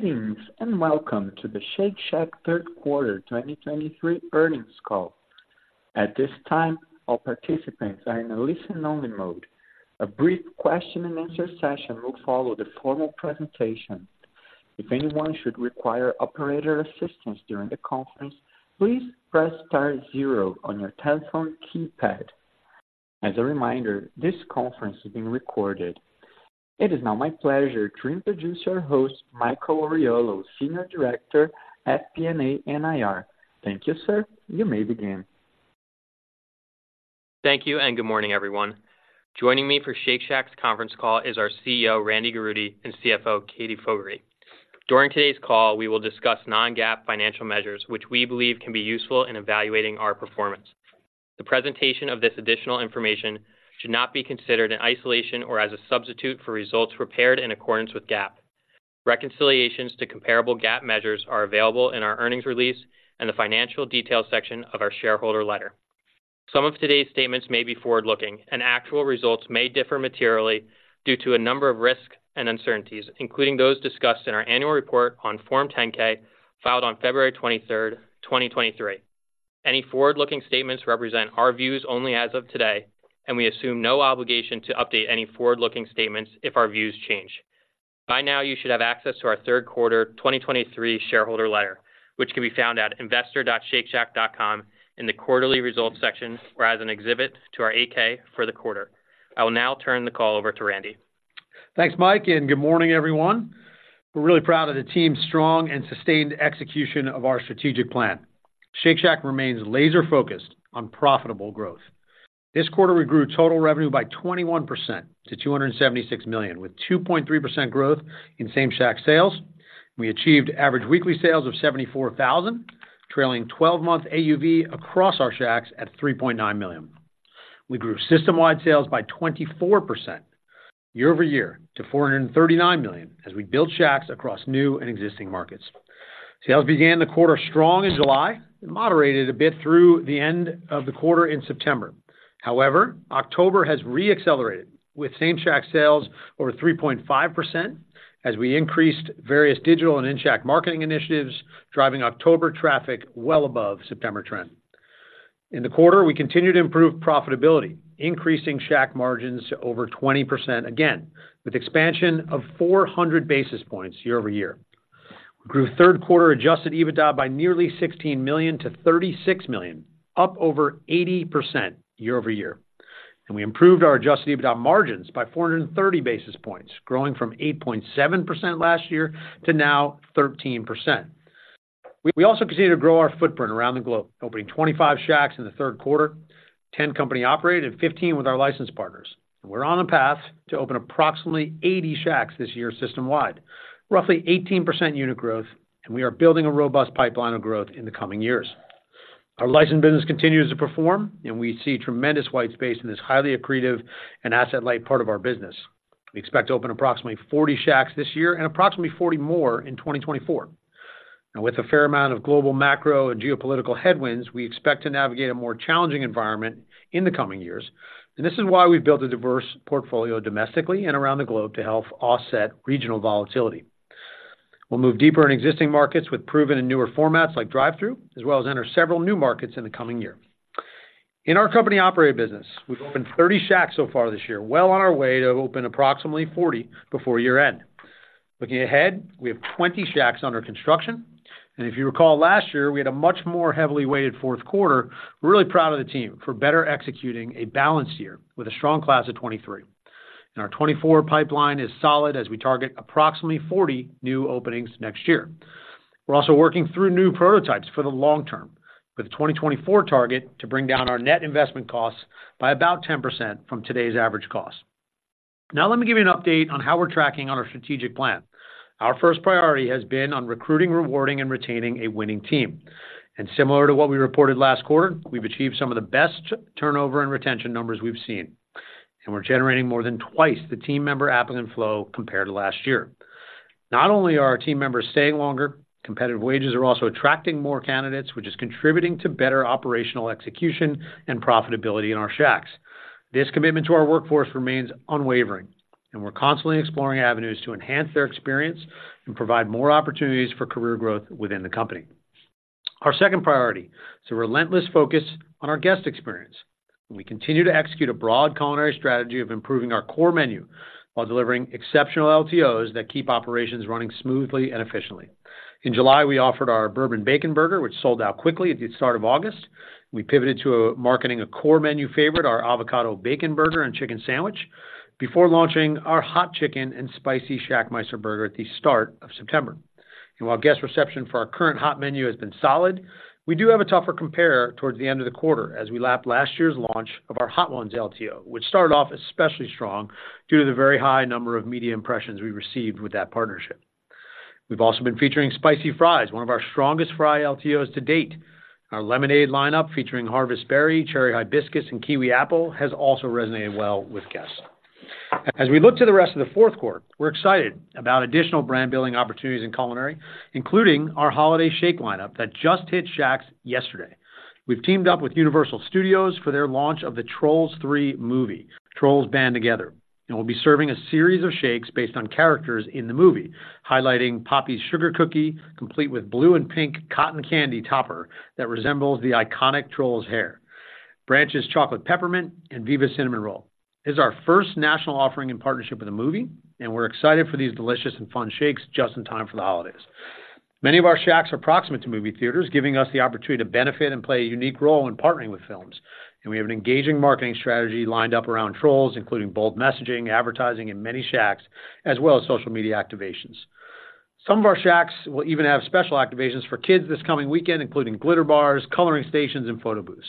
Greetings, and welcome to the Shake Shack third quarter 2023 earnings call. At this time, all participants are in a listen-only mode. A brief question-and-answer session will follow the formal presentation. If anyone should require operator assistance during the conference, please press star zero on your telephone keypad. As a reminder, this conference is being recorded. It is now my pleasure to introduce our host, Michael Oriolo, Senior Director at FP&A and IR. Thank you, sir. You may begin. Thank you, and good morning, everyone. Joining me for Shake Shack's conference call is our CEO, Randy Garutti, and CFO, Katie Fogertey. During today's call, we will discuss non-GAAP financial measures, which we believe can be useful in evaluating our performance. The presentation of this additional information should not be considered in isolation or as a substitute for results prepared in accordance with GAAP. Reconciliations to comparable GAAP measures are available in our earnings release and the financial details section of our shareholder letter. Some of today's statements may be forward-looking, and actual results may differ materially due to a number of risks and uncertainties, including those discussed in our annual report on Form 10-K, filed on February 23, 2023. Any forward-looking statements represent our views only as of today, and we assume no obligation to update any forward-looking statements if our views change. By now, you should have access to our third quarter 2023 shareholder letter, which can be found at investor.shakeshack.com in the quarterly results section or as an exhibit to our 8-K for the quarter. I will now turn the call over to Randy. Thanks, Mike, and good morning, everyone. We're really proud of the team's strong and sustained execution of our strategic plan. Shake Shack remains laser-focused on profitable growth. This quarter, we grew total revenue by 21% to $276 million, with 2.3% growth in Same-Shack sales. We achieved average weekly sales of 74,000, trailing twelve-month AUV across our Shacks at $3.9 million. We grew System-wide Sales by 24% year-over-year to $439 million as we built Shacks across new and existing markets. Sales began the quarter strong in July and moderated a bit through the end of the quarter in September. However, October has re-accelerated, with Same-Shack sales over 3.5% as we increased various digital and in-Shack marketing initiatives, driving October traffic well above September trend. In the quarter, we continued to improve profitability, increasing Shack Margins to over 20% again, with expansion of 400 basis points year-over-year. We grew third quarter Adjusted EBITDA by nearly $16 million to $36 million, up over 80% year-over-year. We improved our Adjusted EBITDA margins by 430 basis points, growing from 8.7% last year to now 13%. We also continued to grow our footprint around the globe, opening 25 Shacks in the third quarter, 10 company-operated, and 15 with our license partners. We're on a path to open approximately 80 Shacks this year system-wide, roughly 18% unit growth, and we are building a robust pipeline of growth in the coming years. Our license business continues to perform, and we see tremendous white space in this highly accretive and asset-light part of our business. We expect to open approximately 40 Shacks this year and approximately 40 more in 2024. Now, with a fair amount of global macro and geopolitical headwinds, we expect to navigate a more challenging environment in the coming years, and this is why we've built a diverse portfolio domestically and around the globe to help offset regional volatility. We'll move deeper in existing markets with proven and newer formats like drive-thru, as well as enter several new markets in the coming year. In our company-operated business, we've opened 30 Shacks so far this year, well on our way to open approximately 40 before year-end. Looking ahead, we have 20 Shacks under construction, and if you recall, last year, we had a much more heavily weighted fourth quarter. We're really proud of the team for better executing a balanced year with a strong class of 2023. Our 2024 pipeline is solid as we target approximately 40 new openings next year. We're also working through new prototypes for the long term, with the 2024 target to bring down our net investment costs by about 10% from today's average cost. Now, let me give you an update on how we're tracking on our strategic plan. Our first priority has been on recruiting, rewarding, and retaining a winning team. Similar to what we reported last quarter, we've achieved some of the best turnover and retention numbers we've seen, and we're generating more than twice the team member applicant flow compared to last year. Not only are our team members staying longer, competitive wages are also attracting more candidates, which is contributing to better operational execution and profitability in our Shacks. This commitment to our workforce remains unwavering, and we're constantly exploring avenues to enhance their experience and provide more opportunities for career growth within the company. Our second priority is a relentless focus on our guest experience. We continue to execute a broad culinary strategy of improving our core menu while delivering exceptional LTOs that keep operations running smoothly and efficiently. In July, we offered our Bourbon Bacon Burger, which sold out quickly at the start of August. We pivoted to a marketing a core menu favorite, our Avocado Bacon Burger and chicken sandwich, before launching our Hot Chicken and Spicy ShackMeister Burger at the start of September. While guest reception for our current hot menu has been solid, we do have a tougher compare towards the end of the quarter as we lap last year's launch of our Hot Ones LTO, which started off especially strong due to the very high number of media impressions we received with that partnership. We've also been featuring spicy fries, one of our strongest fry LTOs to date. Our lemonade lineup, featuring Harvest Berry, Cherry Hibiscus, and Kiwi Apple, has also resonated well with guests. As we look to the rest of the fourth quarter, we're excited about additional brand-building opportunities in culinary, including our holiday shake lineup that just hit Shacks yesterday. We've teamed up with Universal Studios for their launch of the Trolls Band Together movie, and we'll be serving a series of shakes based on characters in the movie, highlighting Poppy's Sugar Cookie, complete with blue and pink cotton candy topper that resembles the iconic troll's hair, Branch's Chocolate Peppermint, and Viva Cinnamon Roll. This is our first national offering in partnership with a movie, and we're excited for these delicious and fun shakes just in time for the holidays. Many of our Shacks are proximate to movie theaters, giving us the opportunity to benefit and play a unique role in partnering with films. We have an engaging marketing strategy lined up around Trolls, including bold messaging, advertising in many Shacks, as well as social media activations. Some of our Shacks will even have special activations for kids this coming weekend, including glitter bars, coloring stations, and photo booths.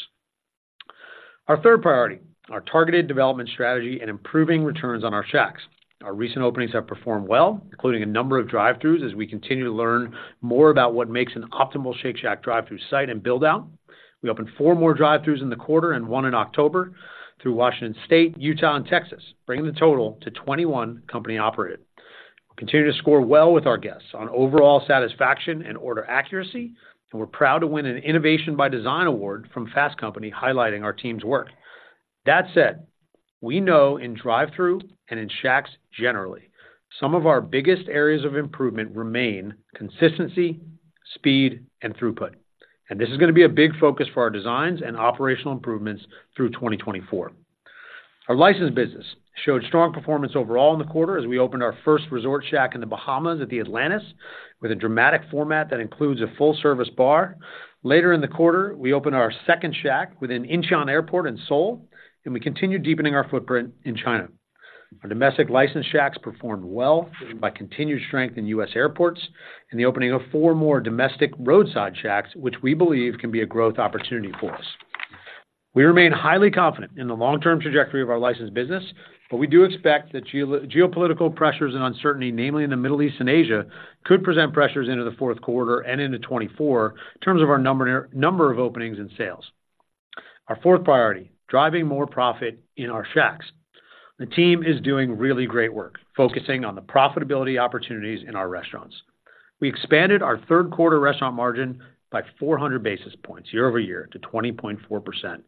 Our third priority, our targeted development strategy and improving returns on our Shacks. Our recent openings have performed well, including a number of drive-throughs, as we continue to learn more about what makes an optimal Shake Shack drive-through site and build-out. We opened four more drive-throughs in the quarter and one in October in Washington State, Utah, and Texas, bringing the total to 21 company-operated. We continue to score well with our guests on overall satisfaction and order accuracy, and we're proud to win an Innovation by Design Award from Fast Company, highlighting our team's work. That said, we know in drive-through and in Shacks, generally, some of our biggest areas of improvement remain consistency, speed, and throughput. This is gonna be a big focus for our designs and operational improvements through 2024. Our licensed business showed strong performance overall in the quarter as we opened our first resort Shack in the Bahamas at the Atlantis, with a dramatic format that includes a full-service bar. Later in the quarter, we opened our second Shack within Incheon Airport in Seoul, and we continued deepening our footprint in China. Our domestic licensed Shacks performed well by continued strength in U.S. airports and the opening of four more domestic roadside Shacks, which we believe can be a growth opportunity for us. We remain highly confident in the long-term trajectory of our licensed business, but we do expect that geopolitical pressures and uncertainty, namely in the Middle East and Asia, could present pressures into the fourth quarter and into 2024 in terms of our number of openings and sales. Our fourth priority, driving more profit in our Shacks. The team is doing really great work focusing on the profitability opportunities in our restaurants. We expanded our third quarter restaurant margin by 400 basis points year-over-year to 20.4%. Our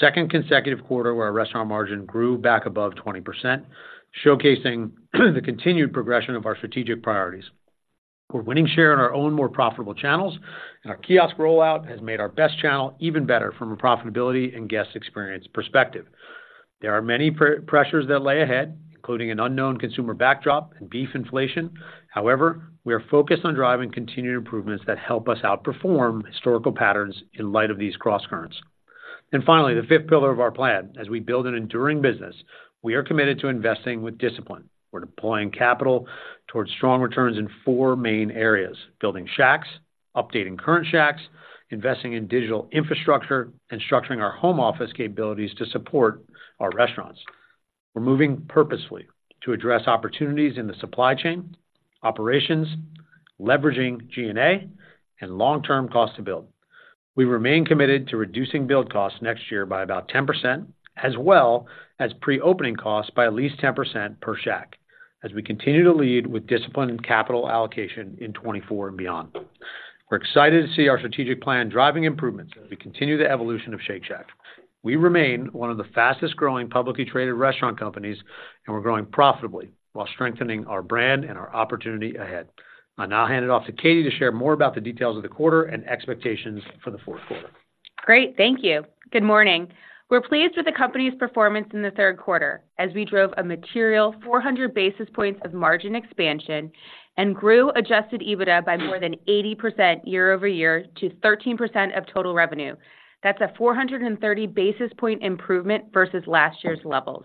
second consecutive quarter, where our restaurant margin grew back above 20%, showcasing the continued progression of our strategic priorities. We're winning share in our own more profitable channels, and our kiosk rollout has made our best channel even better from a profitability and guest experience perspective. There are many pressures that lay ahead, including an unknown consumer backdrop and beef inflation. However, we are focused on driving continued improvements that help us outperform historical patterns in light of these crosscurrents. And finally, the fifth pillar of our plan, as we build an enduring business, we are committed to investing with discipline. We're deploying capital towards strong returns in four main areas: building Shacks, updating current Shacks, investing in digital infrastructure, and structuring our home office capabilities to support our restaurants. We're moving purposefully to address opportunities in the supply chain, operations, leveraging G&A, and long-term cost to build. We remain committed to reducing build costs next year by about 10%, as well as pre-opening costs by at least 10% per Shack, as we continue to lead with discipline and capital allocation in 2024 and beyond. We're excited to see our strategic plan driving improvements as we continue the evolution of Shake Shack. We remain one of the fastest-growing publicly traded restaurant companies, and we're growing profitably while strengthening our brand and our opportunity ahead. I'll now hand it off to Katie to share more about the details of the quarter and expectations for the fourth quarter. Great. Thank you. Good morning. We're pleased with the company's performance in the third quarter as we drove a material 400 basis points of margin expansion and grew Adjusted EBITDA by more than 80% year-over-year to 13% of total revenue. That's a 430 basis point improvement versus last year's levels.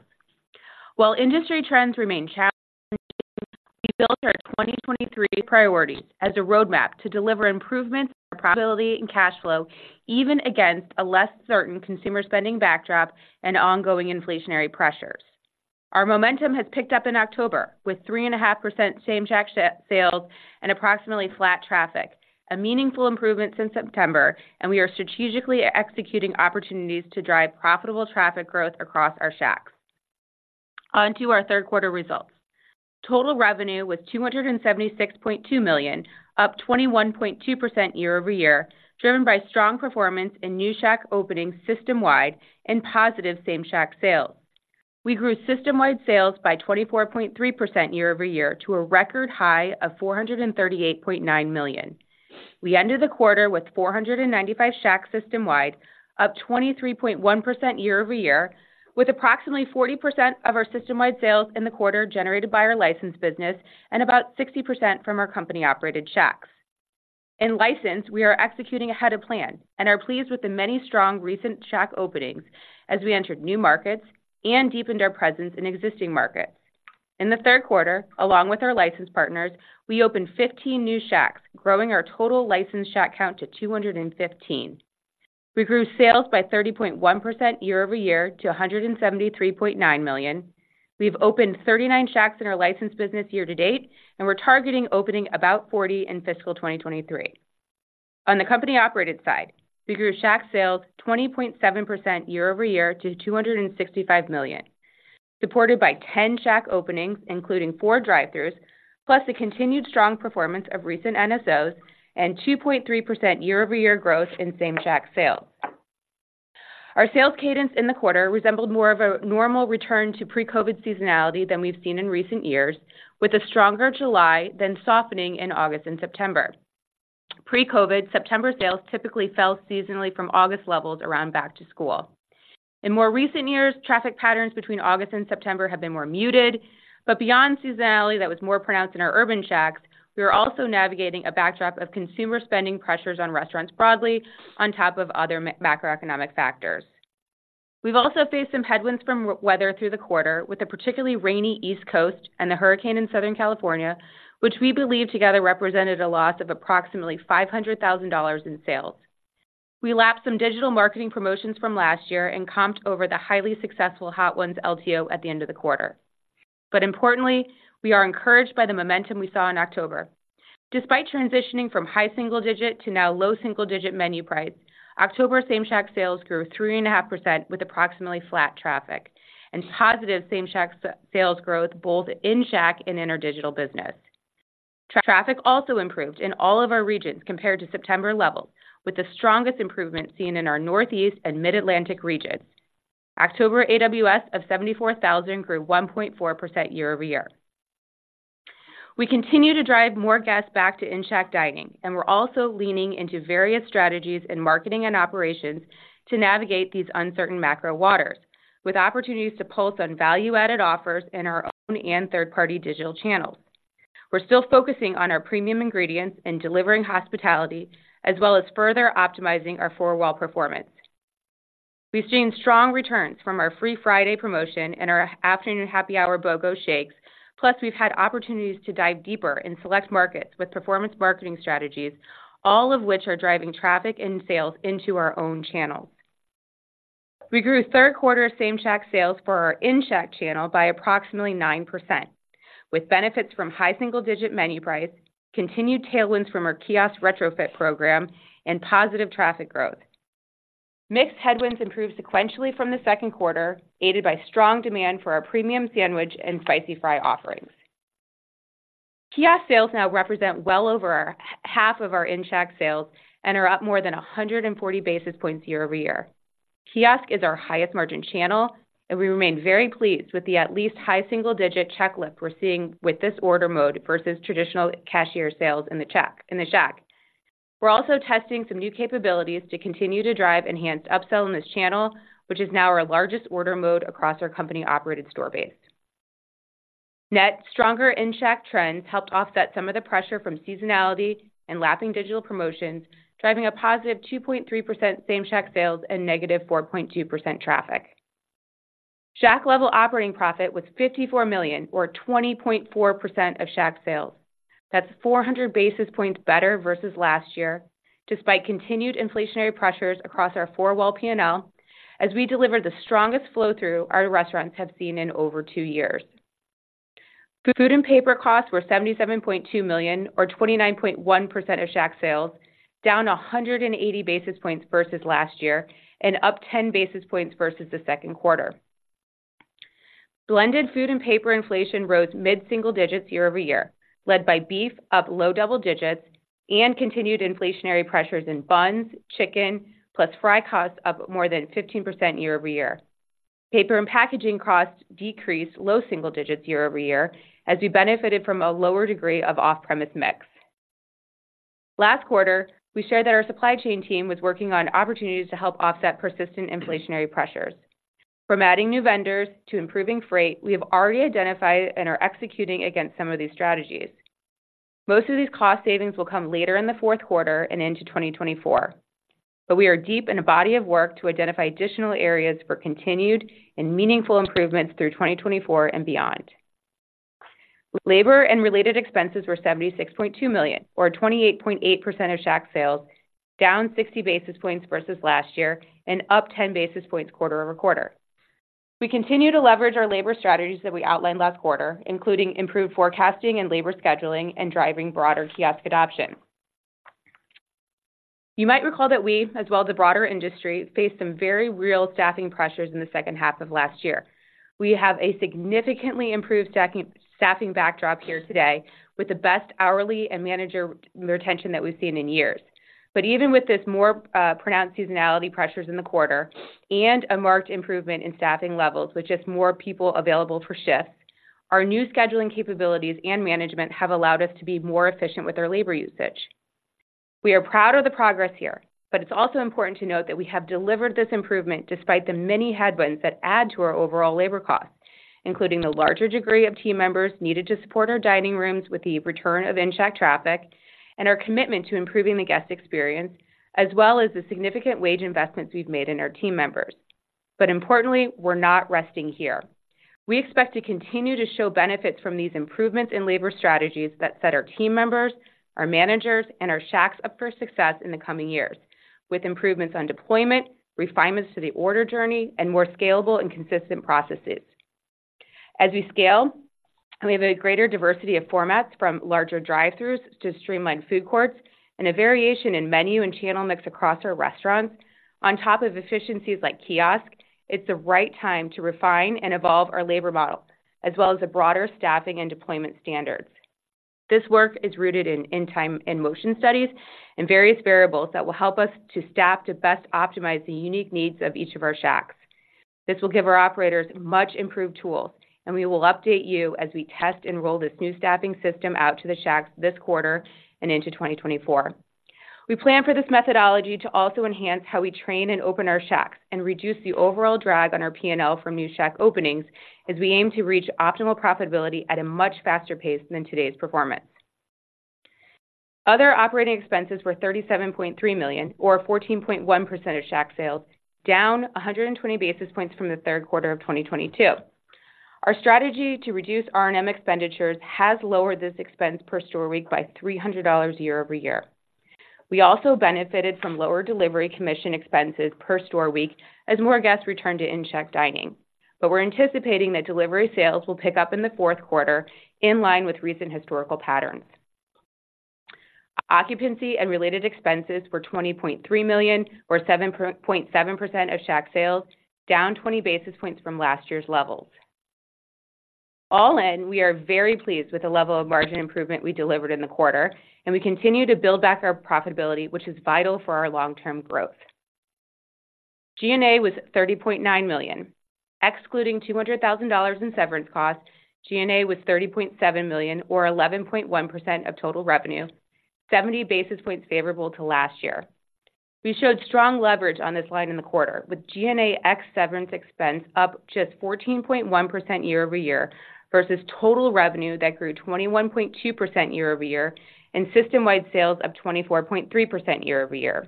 While industry trends remain challenging, we built our 2023 priorities as a roadmap to deliver improvements in our profitability and cash flow, even against a less certain consumer spending backdrop and ongoing inflationary pressures. Our momentum has picked up in October with 3.5% same Shack sales and approximately flat traffic, a meaningful improvement since September, and we are strategically executing opportunities to drive profitable traffic growth across our Shacks. On to our third quarter results. Total revenue was $276.2 million, up 21.2% year-over-year, driven by strong performance in new Shack openings system-wide and positive same Shack sales. We grew System-wide Sales by 24.3% year-over-year to a record high of $438.9 million. We ended the quarter with 495 Shacks system-wide, up 23.1% year-over-year, with approximately 40% of our System-wide Sales in the quarter generated by our licensed business and about 60% from our company-operated Shacks. In licensed, we are executing ahead of plan and are pleased with the many strong recent Shack openings as we entered new markets and deepened our presence in existing markets. In the third quarter, along with our license partners, we opened 15 new Shacks, growing our total licensed Shack count to 215. We grew sales by 30.1% year-over-year to $173.9 million. We've opened 39 Shacks in our licensed business year-to-date, and we're targeting opening about 40 in fiscal 2023. On the company-operated side, we grew Shack sales 20.7% year-over-year to $265 million, supported by 10 Shack openings, including 4 drive-thrus, plus the continued strong performance of recent NSOs and 2.3% year-over-year growth in same Shack sales. Our sales cadence in the quarter resembled more of a normal return to pre-COVID seasonality than we've seen in recent years, with a stronger July, then softening in August and September. Pre-COVID, September sales typically fell seasonally from August levels around back to school. In more recent years, traffic patterns between August and September have been more muted, but beyond seasonality that was more pronounced in our urban Shacks, we are also navigating a backdrop of consumer spending pressures on restaurants broadly on top of other macroeconomic factors. We've also faced some headwinds from weather through the quarter, with a particularly rainy East Coast and a hurricane in Southern California, which we believe together represented a loss of approximately $500,000 in sales. We lapped some digital marketing promotions from last year and comped over the highly successful Hot Ones LTO at the end of the quarter. But importantly, we are encouraged by the momentum we saw in October. Despite transitioning from high single digit to now low single digit menu price, October Same-Shack Sales grew 3.5% with approximately flat traffic and positive Same-Shack Sales growth both in Shack and in our digital business. Traffic also improved in all of our regions compared to September levels, with the strongest improvement seen in our Northeast and Mid-Atlantic regions. October AWS of $74,000 grew 1.4% year-over-year. We continue to drive more guests back to in-Shack dining, and we're also leaning into various strategies in marketing and operations to navigate these uncertain macro waters, with opportunities to pulse on value-added offers in our own and third-party digital channels. We're still focusing on our premium ingredients and delivering hospitality, as well as further optimizing our four-wall performance. We've seen strong returns from our Free Friday promotion and our Afternoon Happy Hour BOGO Shakes, plus we've had opportunities to dive deeper in select markets with performance marketing strategies, all of which are driving traffic and sales into our own channels. We grew third quarter Same Shack Sales for our in-Shack channel by approximately 9%, with benefits from high single-digit menu price, continued tailwinds from our kiosk retrofit program, and positive traffic growth. Mix headwinds improved sequentially from the second quarter, aided by strong demand for our premium sandwich and spicy fry offerings. Kiosk sales now represent well over half of our in-Shack sales and are up more than 140 basis points year-over-year. Kiosk is our highest margin channel, and we remain very pleased with the at least high single-digit check lift we're seeing with this order mode versus traditional cashier sales in the Shack, in the Shack. We're also testing some new capabilities to continue to drive enhanced upsell in this channel, which is now our largest order mode across our company-operated store base. Net stronger in-Shack trends helped offset some of the pressure from seasonality and lapping digital promotions, driving a positive 2.3% Same Shack Sales and negative -4.2% traffic. Shack-level operating profit was $54 million, or 20.4% of Shack sales. That's 400 basis points better versus last year, despite continued inflationary pressures across our four-wall P&L, as we delivered the strongest flow-through our restaurants have seen in over two years. Food and paper costs were $77.2 million, or 29.1% of Shack sales, down 180 basis points versus last year and up 10 basis points versus the second quarter. Blended food and paper inflation rose mid-single digits year-over-year, led by beef up low double digits and continued inflationary pressures in buns, chicken, plus fry costs up more than 15% year-over-year. Paper and packaging costs decreased low single digits year-over-year, as we benefited from a lower degree of off-premise mix. Last quarter, we shared that our supply chain team was working on opportunities to help offset persistent inflationary pressures. From adding new vendors to improving freight, we have already identified and are executing against some of these strategies. Most of these cost savings will come later in the fourth quarter and into 2024, but we are deep in a body of work to identify additional areas for continued and meaningful improvements through 2024 and beyond. Labor and related expenses were $76.2 million, or 28.8% of Shack sales, down 60 basis points versus last year and up 10 basis points quarter-over-quarter. We continue to leverage our labor strategies that we outlined last quarter, including improved forecasting and labor scheduling and driving broader kiosk adoption. You might recall that we, as well as the broader industry, faced some very real staffing pressures in the second half of last year. We have a significantly improved staffing backdrop here today, with the best hourly and manager retention that we've seen in years. But even with this more pronounced seasonality pressures in the quarter and a marked improvement in staffing levels, which is more people available for shifts, our new scheduling capabilities and management have allowed us to be more efficient with our labor usage. We are proud of the progress here, but it's also important to note that we have delivered this improvement despite the many headwinds that add to our overall labor costs, including the larger degree of team members needed to support our dining rooms with the return of in-Shack traffic and our commitment to improving the guest experience, as well as the significant wage investments we've made in our team members. But importantly, we're not resting here. We expect to continue to show benefits from these improvements in labor strategies that set our team members, our managers, and our Shacks up for success in the coming years, with improvements on deployment, refinements to the order journey, and more scalable and consistent processes. As we scale, and we have a greater diversity of formats, from larger drive-thrus to streamlined food courts, and a variation in menu and channel mix across our restaurants. On top of efficiencies like kiosk, it's the right time to refine and evolve our labor model, as well as the broader staffing and deployment standards. This work is rooted in time and motion studies and various variables that will help us to staff to best optimize the unique needs of each of our Shacks. This will give our operators much improved tools, and we will update you as we test and roll this new staffing system out to the Shacks this quarter and into 2024. We plan for this methodology to also enhance how we train and open our Shacks, and reduce the overall drag on our P&L for new Shack openings, as we aim to reach optimal profitability at a much faster pace than today's performance. Other operating expenses were $37.3 million, or 14.1% of Shack sales, down 120 basis points from the third quarter of 2022. Our strategy to reduce R&M expenditures has lowered this expense per store week by $300 year over year. We also benefited from lower delivery commission expenses per store week as more guests returned to in-Shack dining. But we're anticipating that delivery sales will pick up in the fourth quarter, in line with recent historical patterns. Occupancy and related expenses were $20.3 million, or 7.7% of Shack sales, down 20 basis points from last year's levels. All in, we are very pleased with the level of margin improvement we delivered in the quarter, and we continue to build back our profitability, which is vital for our long-term growth. G&A was $30.9 million, excluding $200,000 in severance costs, G&A was $30.7 million, or 11.1% of total revenue, 70 basis points favorable to last year. We showed strong leverage on this line in the quarter, with G&A ex severance expense up just 14.1% year-over-year, versus total revenue that grew 21.2% year-over-year, and System-wide Sales up 24.3% year-over-year.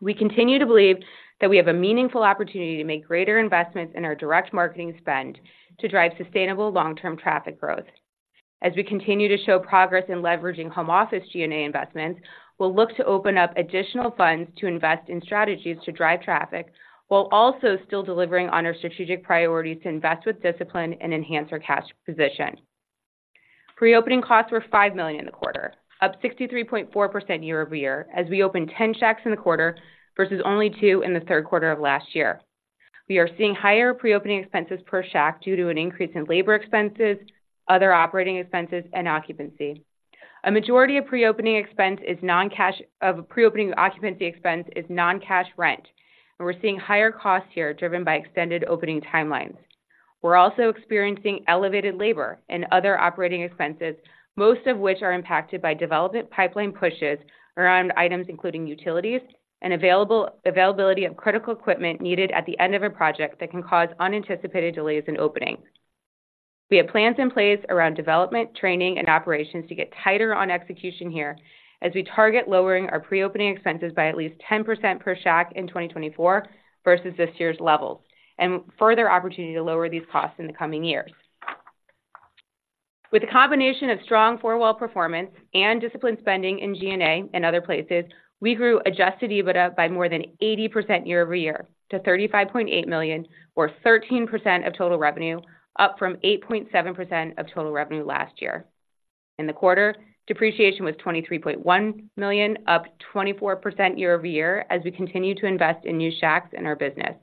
We continue to believe that we have a meaningful opportunity to make greater investments in our direct marketing spend to drive sustainable long-term traffic growth. As we continue to show progress in leveraging home office G&A investments, we'll look to open up additional funds to invest in strategies to drive traffic, while also still delivering on our strategic priorities to invest with discipline and enhance our cash position. Pre-opening costs were $5 million in the quarter, up 63.4% year-over-year, as we opened 10 Shacks in the quarter versus only 2 in the third quarter of last year. We are seeing higher pre-opening expenses per Shack due to an increase in labor expenses, other operating expenses, and occupancy. A majority of pre-opening expense is non-cash... Of pre-opening occupancy expense is non-cash rent, and we're seeing higher costs here, driven by extended opening timelines. We're also experiencing elevated labor and other operating expenses, most of which are impacted by development pipeline pushes around items including utilities and availability of critical equipment needed at the end of a project that can cause unanticipated delays in opening. We have plans in place around development, training, and operations to get tighter on execution here, as we target lowering our pre-opening expenses by at least 10% per Shack in 2024 versus this year's levels, and further opportunity to lower these costs in the coming years. With a combination of strong four-wall performance and disciplined spending in G&A and other places, we grew Adjusted EBITDA by more than 80% year-over-year to $35.8 million, or 13% of total revenue, up from 8.7% of total revenue last year. In the quarter, depreciation was $23.1 million, up 24% year-over-year as we continue to invest in new Shacks in our business.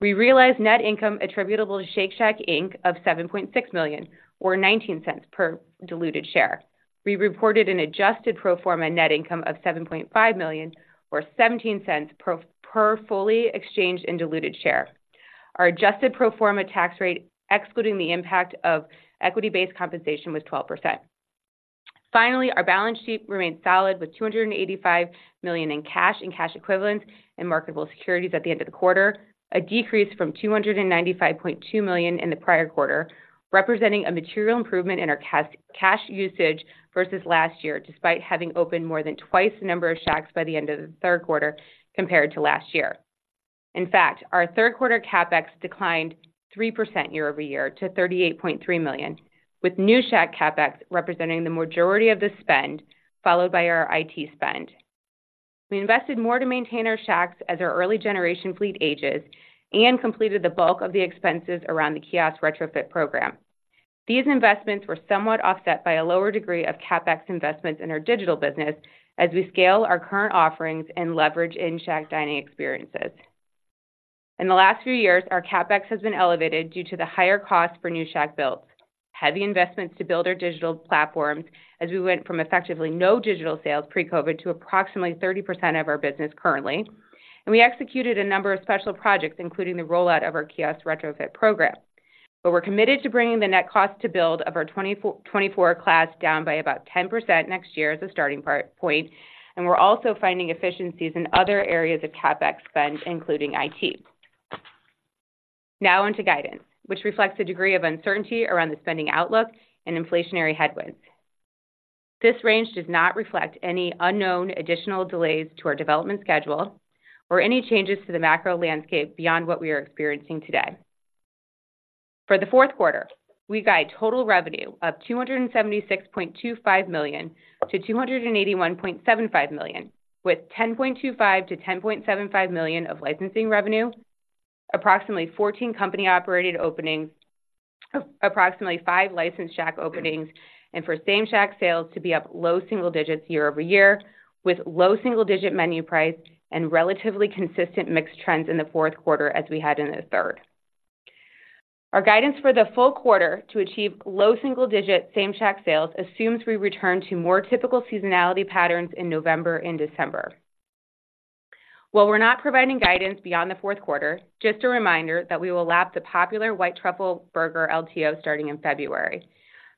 We realized net income attributable to Shake Shack Inc. of $7.6 million, or $0.19 per diluted share. We reported an Adjusted Pro Forma Net Income of $7.5 million, or $0.17 per, per fully exchanged and diluted share. Our adjusted pro forma tax rate, excluding the impact of equity-based compensation, was 12%. Finally, our balance sheet remains solid, with $285 million in cash and cash equivalents and marketable securities at the end of the quarter, a decrease from $295.2 million in the prior quarter, representing a material improvement in our cash, cash usage versus last year, despite having opened more than twice the number of Shacks by the end of the third quarter compared to last year. In fact, our third quarter CapEx declined 3% year-over-year to $38.3 million, with new Shack CapEx representing the majority of the spend, followed by our IT spend. We invested more to maintain our Shacks as our early generation fleet ages and completed the bulk of the expenses around the kiosks retrofit program. These investments were somewhat offset by a lower degree of CapEx investments in our digital business as we scale our current offerings and leverage in-Shack dining experiences. In the last few years, our CapEx has been elevated due to the higher cost for new Shack builds, heavy investments to build our digital platform as we went from effectively no digital sales pre-COVID to approximately 30% of our business currently, and we executed a number of special projects, including the rollout of our Kiosk retrofit program. But we're committed to bringing the net cost to build of our 2024 class down by about 10% next year as a starting point, and we're also finding efficiencies in other areas of CapEx spend, including IT. Now on to guidance, which reflects the degree of uncertainty around the spending outlook and inflationary headwinds. This range does not reflect any unknown additional delays to our development schedule or any changes to the macro landscape beyond what we are experiencing today. For the fourth quarter, we guide total revenue of $276.25 million-$281.75 million, with $10.25 million-$10.75 million of licensing revenue. Approximately 14 company-operated openings, approximately 5 licensed Shack openings, and for same Shack sales to be up low single digits year-over-year, with low single-digit menu price and relatively consistent mix trends in the fourth quarter as we had in the third. Our guidance for the full quarter to achieve low single-digit same Shack sales assumes we return to more typical seasonality patterns in November and December. While we're not providing guidance beyond the fourth quarter, just a reminder that we will lap the popular White Truffle Burger LTO starting in February.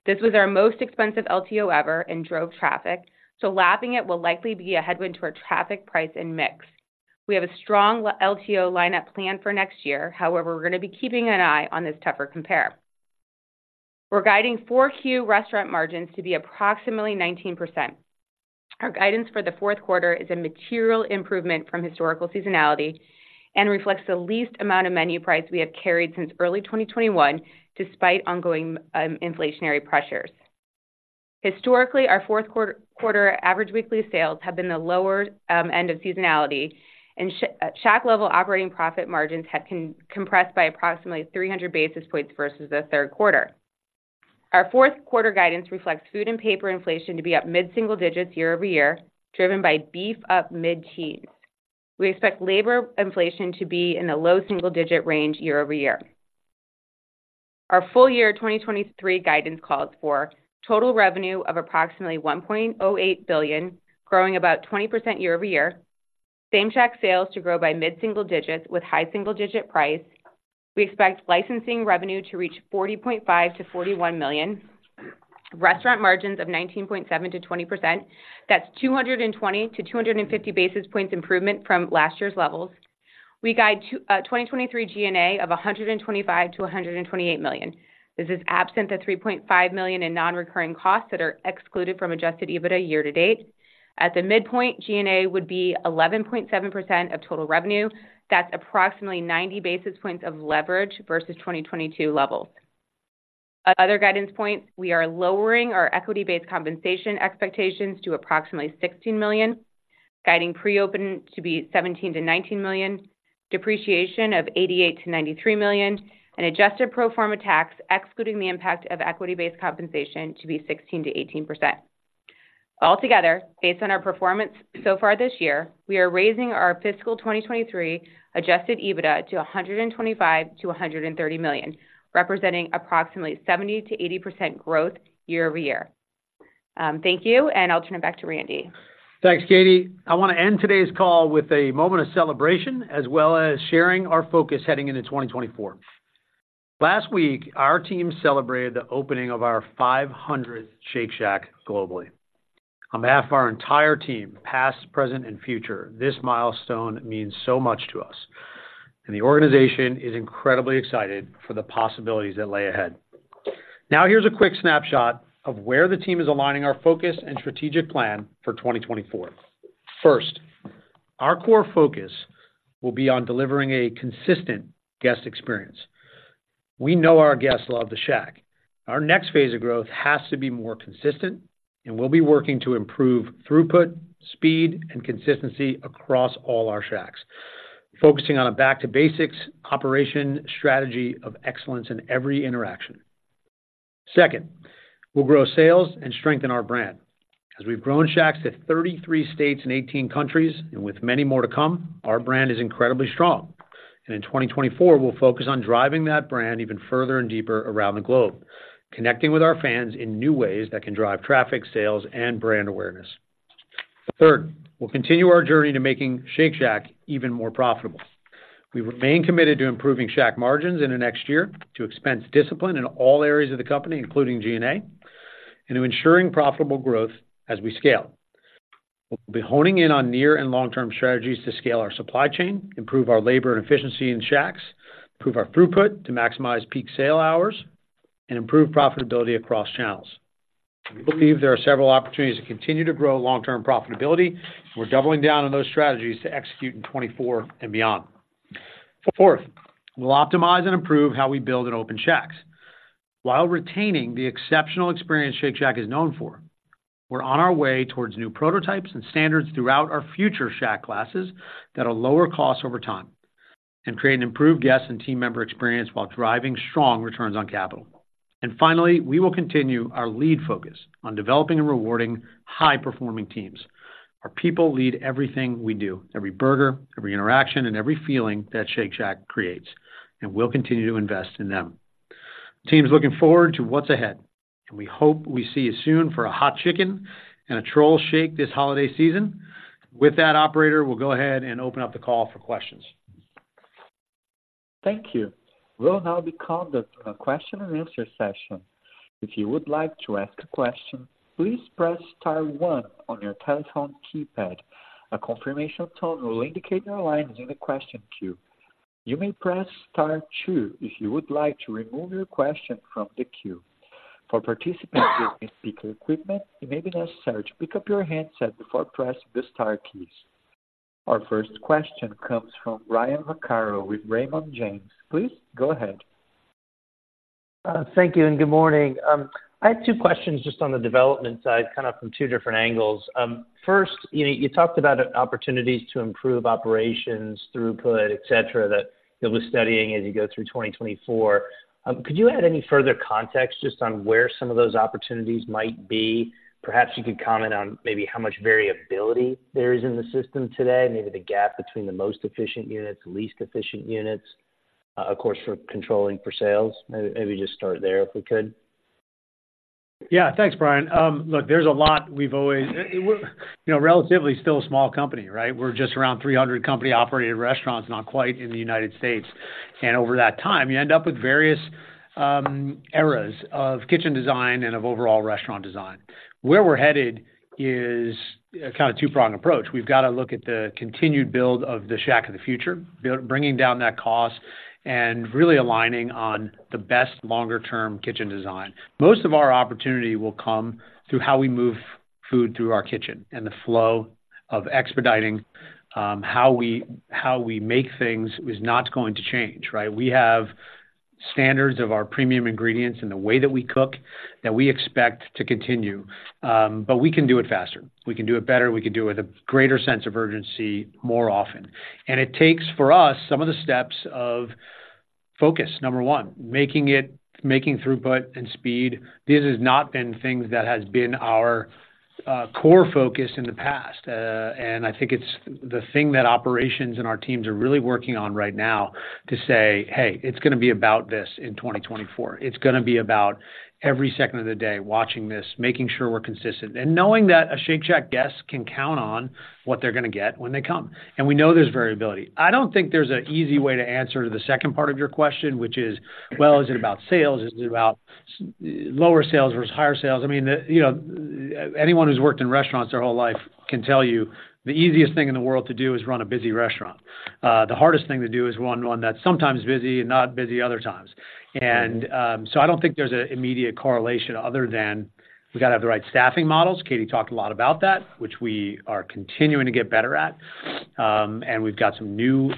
This was our most expensive LTO ever and drove traffic, so lapping it will likely be a headwind to our traffic price and mix. We have a strong LTO lineup planned for next year. However, we're gonna be keeping an eye on this tougher compare. We're guiding Q4 restaurant margins to be approximately 19%. Our guidance for the fourth quarter is a material improvement from historical seasonality and reflects the least amount of menu price we have carried since early 2021, despite ongoing inflationary pressures. Historically, our fourth quarter Average Weekly Sales Our fourth quarter guidance reflects food and paper inflation to be up mid-single digits year-over-year, driven by beef up mid-teens. We expect labor inflation to be in the low single-digit range year-over-year. Our full year 2023 guidance calls for total revenue of approximately $1.08 billion, growing about 20% year-over-year. Same Shack sales to grow by mid-single digits with high single-digit price. We expect licensing revenue to reach $40.5 million-$41 million. Restaurant margins of 19.7%-20%. That's 220-250 basis points improvement from last year's levels. We guide 2023 G&A of $125 million-$128 million. This is absent the $3.5 million in non-recurring costs that are excluded from adjusted EBITDA year to date. At the midpoint, G&A would be 11.7% of total revenue. That's approximately 90 basis points of leverage versus 2022 levels. Other guidance points, we are lowering our equity-based compensation expectations to approximately $16 million, guiding pre-open to be $17 million-$19 million, depreciation of $88 million-$93 million, and adjusted pro forma tax, excluding the impact of equity-based compensation, to be 16%-18%. Altogether, based on our performance so far this year, we are raising our fiscal 2023 Adjusted EBITDA to $125 million-$130 million, representing approximately 70%-80% growth year-over-year. Thank you, and I'll turn it back to Randy. Thanks, Katie. I want to end today's call with a moment of celebration, as well as sharing our focus heading into 2024. Last week, our team celebrated the opening of our 500th Shake Shack globally. On behalf of our entire team, past, present, and future, this milestone means so much to us, and the organization is incredibly excited for the possibilities that lay ahead. Now, here's a quick snapshot of where the team is aligning our focus and strategic plan for 2024. First, our core focus will be on delivering a consistent guest experience. We know our guests love the Shack. Our next phase of growth has to be more consistent, and we'll be working to improve throughput, speed, and consistency across all our Shacks, focusing on a back to basics operation strategy of excellence in every interaction. Second, we'll grow sales and strengthen our brand. As we've grown Shacks to 33 states and 18 countries, and with many more to come, our brand is incredibly strong. In 2024, we'll focus on driving that brand even further and deeper around the globe, connecting with our fans in new ways that can drive traffic, sales, and brand awareness. Third, we'll continue our journey to making Shake Shack even more profitable. We remain committed to improving Shack margins in the next year, to expense discipline in all areas of the company, including G&A, and to ensuring profitable growth as we scale. We'll be honing in on near and long-term strategies to scale our supply chain, improve our labor and efficiency in Shacks, improve our throughput to maximize peak sale hours, and improve profitability across channels. We believe there are several opportunities to continue to grow long-term profitability, and we're doubling down on those strategies to execute in 2024 and beyond. Fourth, we'll optimize and improve how we build and open Shacks while retaining the exceptional experience Shake Shack is known for. We're on our way towards new prototypes and standards throughout our future Shack classes that will lower costs over time and create an improved guest and team member experience while driving strong returns on capital. And finally, we will continue our laser focus on developing and rewarding high-performing teams. Our people lead everything we do, every burger, every interaction, and every feeling that Shake Shack creates, and we'll continue to invest in them. Team's looking forward to what's ahead, and we hope we see you soon for a Hot Chicken and a Troll Shake this holiday season. With that, operator, we'll go ahead and open up the call for questions. Thank you. We'll now be conducting a question and answer session. If you would like to ask a question, please press star one on your telephone keypad. A confirmation tone will indicate your line is in the question queue. You may press star two if you would like to remove your question from the queue. For participants using speaker equipment, it may be necessary to pick up your handset before pressing the star keys. Our first question comes from Ryan Vaccaro with Raymond James. Please go ahead.... Thank you, and good morning. I have two questions just on the development side, kind of from two different angles. First, you know, you talked about opportunities to improve operations, throughput, et cetera, that you'll be studying as you go through 2024. Could you add any further context just on where some of those opportunities might be? Perhaps you could comment on maybe how much variability there is in the system today, maybe the gap between the most efficient units, the least efficient units, of course, for controlling for sales. Maybe just start there, if we could. Yeah, thanks, Brian. Look, there's a lot we've always you know, relatively still a small company, right? We're just around 300 company-operated restaurants, not quite, in the United States. Over that time, you end up with various eras of kitchen design and of overall restaurant design. Where we're headed is a kind of two-prong approach. We've got to look at the continued build of the Shack of the future, bringing down that cost and really aligning on the best longer-term kitchen design. Most of our opportunity will come through how we move food through our kitchen, and the flow of expediting, how we make things is not going to change, right? We have standards of our premium ingredients and the way that we cook that we expect to continue. But we can do it faster. We can do it better, we can do it with a greater sense of urgency more often. It takes, for us, some of the steps of focus, number one, making throughput and speed. This has not been things that has been our core focus in the past, and I think it's the thing that operations and our teams are really working on right now to say, "Hey, it's gonna be about this in 2024. It's gonna be about every second of the day, watching this, making sure we're consistent," and knowing that a Shake Shack guest can count on what they're gonna get when they come, and we know there's variability. I don't think there's an easy way to answer the second part of your question, which is, well, is it about sales? Is it about lower sales versus higher sales? I mean, the, you know, anyone who's worked in restaurants their whole life can tell you, the easiest thing in the world to do is run a busy restaurant. The hardest thing to do is run one that's sometimes busy and not busy other times. And so I don't think there's an immediate correlation other than we've got to have the right staffing models. Katie talked a lot about that, which we are continuing to get better at. And we've got some new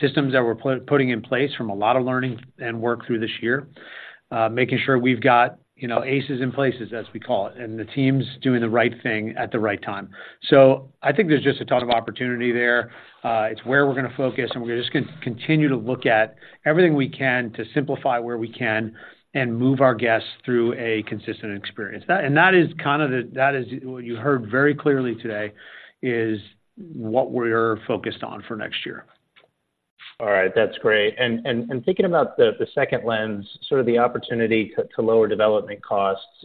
systems that we're putting in place from a lot of learning and work through this year. Making sure we've got, you know, aces in places, as we call it, and the teams doing the right thing at the right time. So I think there's just a ton of opportunity there. It's where we're gonna focus, and we're just gonna continue to look at everything we can to simplify where we can and move our guests through a consistent experience. That, and that is kind of the, that is what you heard very clearly today, is what we're focused on for next year. All right. That's great. And thinking about the second lens, sort of the opportunity to lower development costs,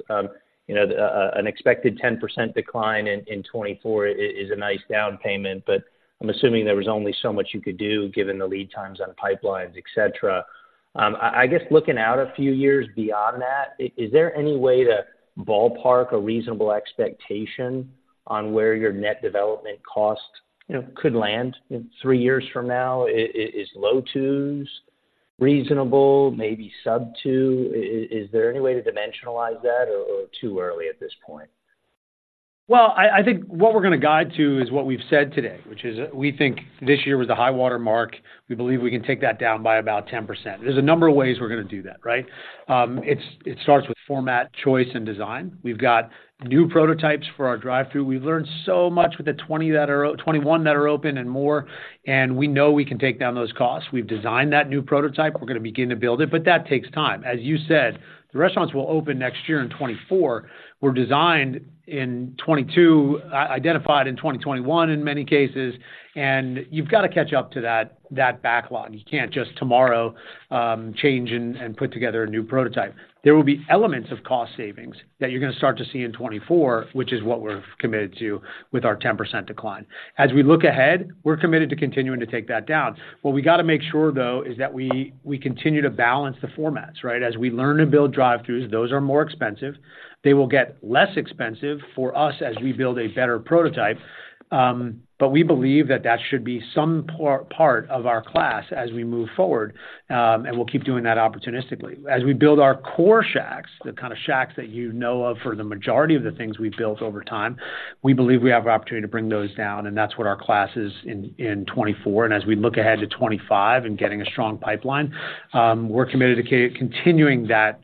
you know, an expected 10% decline in 2024 is a nice down payment, but I'm assuming there was only so much you could do, given the lead times on pipelines, et cetera. I guess looking out a few years beyond that, is there any way to ballpark a reasonable expectation on where your net development cost, you know, could land in three years from now? Is low 2s reasonable, maybe sub-2? Is there any way to dimensionalize that or too early at this point? Well, I think what we're gonna guide to is what we've said today, which is we think this year was the high-water mark. We believe we can take that down by about 10%. There's a number of ways we're gonna do that, right? It starts with format, choice, and design. We've got new prototypes for our drive-thru. We've learned so much with the 21 that are open and more, and we know we can take down those costs. We've designed that new prototype. We're gonna begin to build it, but that takes time. As you said, the restaurants will open next year in 2024, were designed in 2022, identified in 2021 in many cases, and you've got to catch up to that, that backlog. You can't just tomorrow change and put together a new prototype. There will be elements of cost savings that you're gonna start to see in 2024, which is what we're committed to with our 10% decline. As we look ahead, we're committed to continuing to take that down. What we got to make sure, though, is that we continue to balance the formats, right? As we learn to build drive-thrus, those are more expensive. They will get less expensive for us as we build a better prototype. But we believe that that should be some part of our CapEx as we move forward, and we'll keep doing that opportunistically. As we build our core Shacks, the kind of Shacks that you know of for the majority of the things we've built over time, we believe we have an opportunity to bring those down, and that's what our CapEx is in 2024. And as we look ahead to 2025 and getting a strong pipeline, we're committed to continuing that,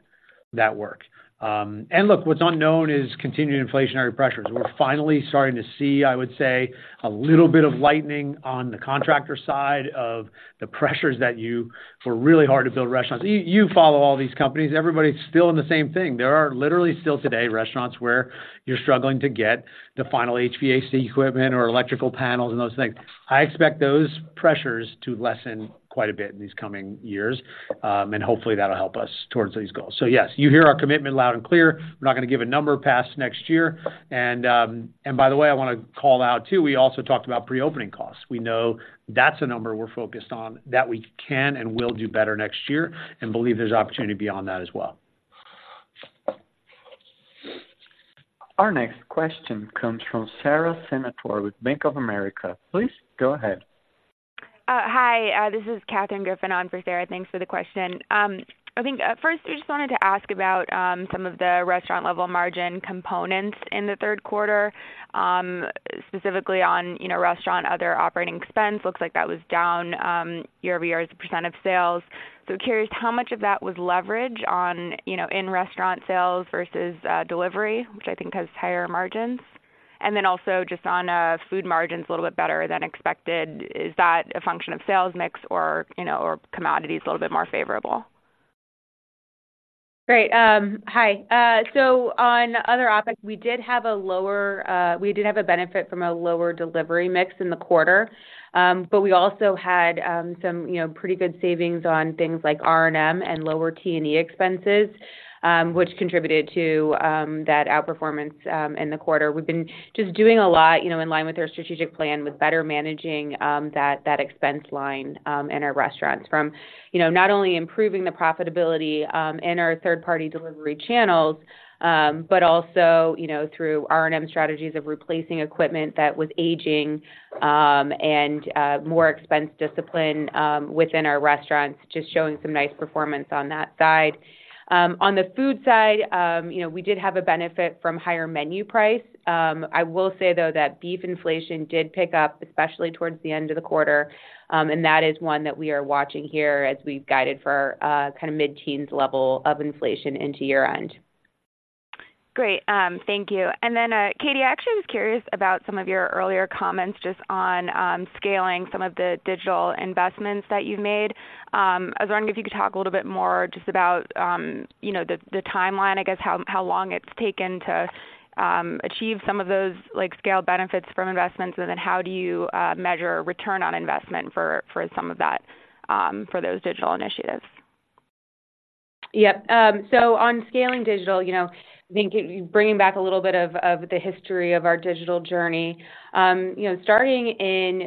that work. And look, what's unknown is continuing inflationary pressures. We're finally starting to see, I would say, a little bit of lightning on the contractor side of the pressures that you... were really hard to build restaurants. You, you follow all these companies. Everybody's still in the same thing. There are literally still today, restaurants where you're struggling to get the final HVAC equipment or electrical panels and those things. I expect those pressures to lessen quite a bit in these coming years, and hopefully, that'll help us towards these goals. So yes, you hear our commitment loud and clear. We're not gonna give a number past next year. And, and by the way, I wanna call out, too, we also talked about pre-opening costs. We know that's a number we're focused on, that we can and will do better next year, and believe there's opportunity beyond that as well. Our next question comes from Sarah Senatore with Bank of America. Please go ahead. Hi, this is Catherine Griffin on for Sarah. Thanks for the question. I think first, we just wanted to ask about some of the restaurant-level margin components in the third quarter, specifically on, you know, restaurant, other operating expense. Looks like that was down year over year as a % of sales. So curious, how much of that was leverage on, you know, in-restaurant sales versus delivery, which I think has higher margins? And then also just on food margins a little bit better than expected, is that a function of sales mix or, you know, or commodities a little bit more favorable? Great. Hi. So on other topics, we did have a benefit from a lower delivery mix in the quarter. But we also had some, you know, pretty good savings on things like R&M and lower T&E expenses, which contributed to that outperformance in the quarter. We've been just doing a lot, you know, in line with our strategic plan, with better managing that expense line in our restaurants. From, you know, not only improving the profitability in our third-party delivery channels, but also, you know, through R&M strategies of replacing equipment that was aging and more expense discipline within our restaurants, just showing some nice performance on that side. On the food side, you know, we did have a benefit from higher menu price. I will say, though, that beef inflation did pick up, especially towards the end of the quarter, and that is one that we are watching here as we've guided for a kind of mid-teens level of inflation into year-end. Great, thank you. And then, Katie, I actually was curious about some of your earlier comments just on scaling some of the digital investments that you've made. I was wondering if you could talk a little bit more just about you know, the timeline, I guess, how long it's taken to achieve some of those, like, scale benefits from investments, and then how do you measure return on investment for some of that for those digital initiatives? Yep. So on scaling digital, you know, I think bringing back a little bit of the history of our digital journey, you know, starting in,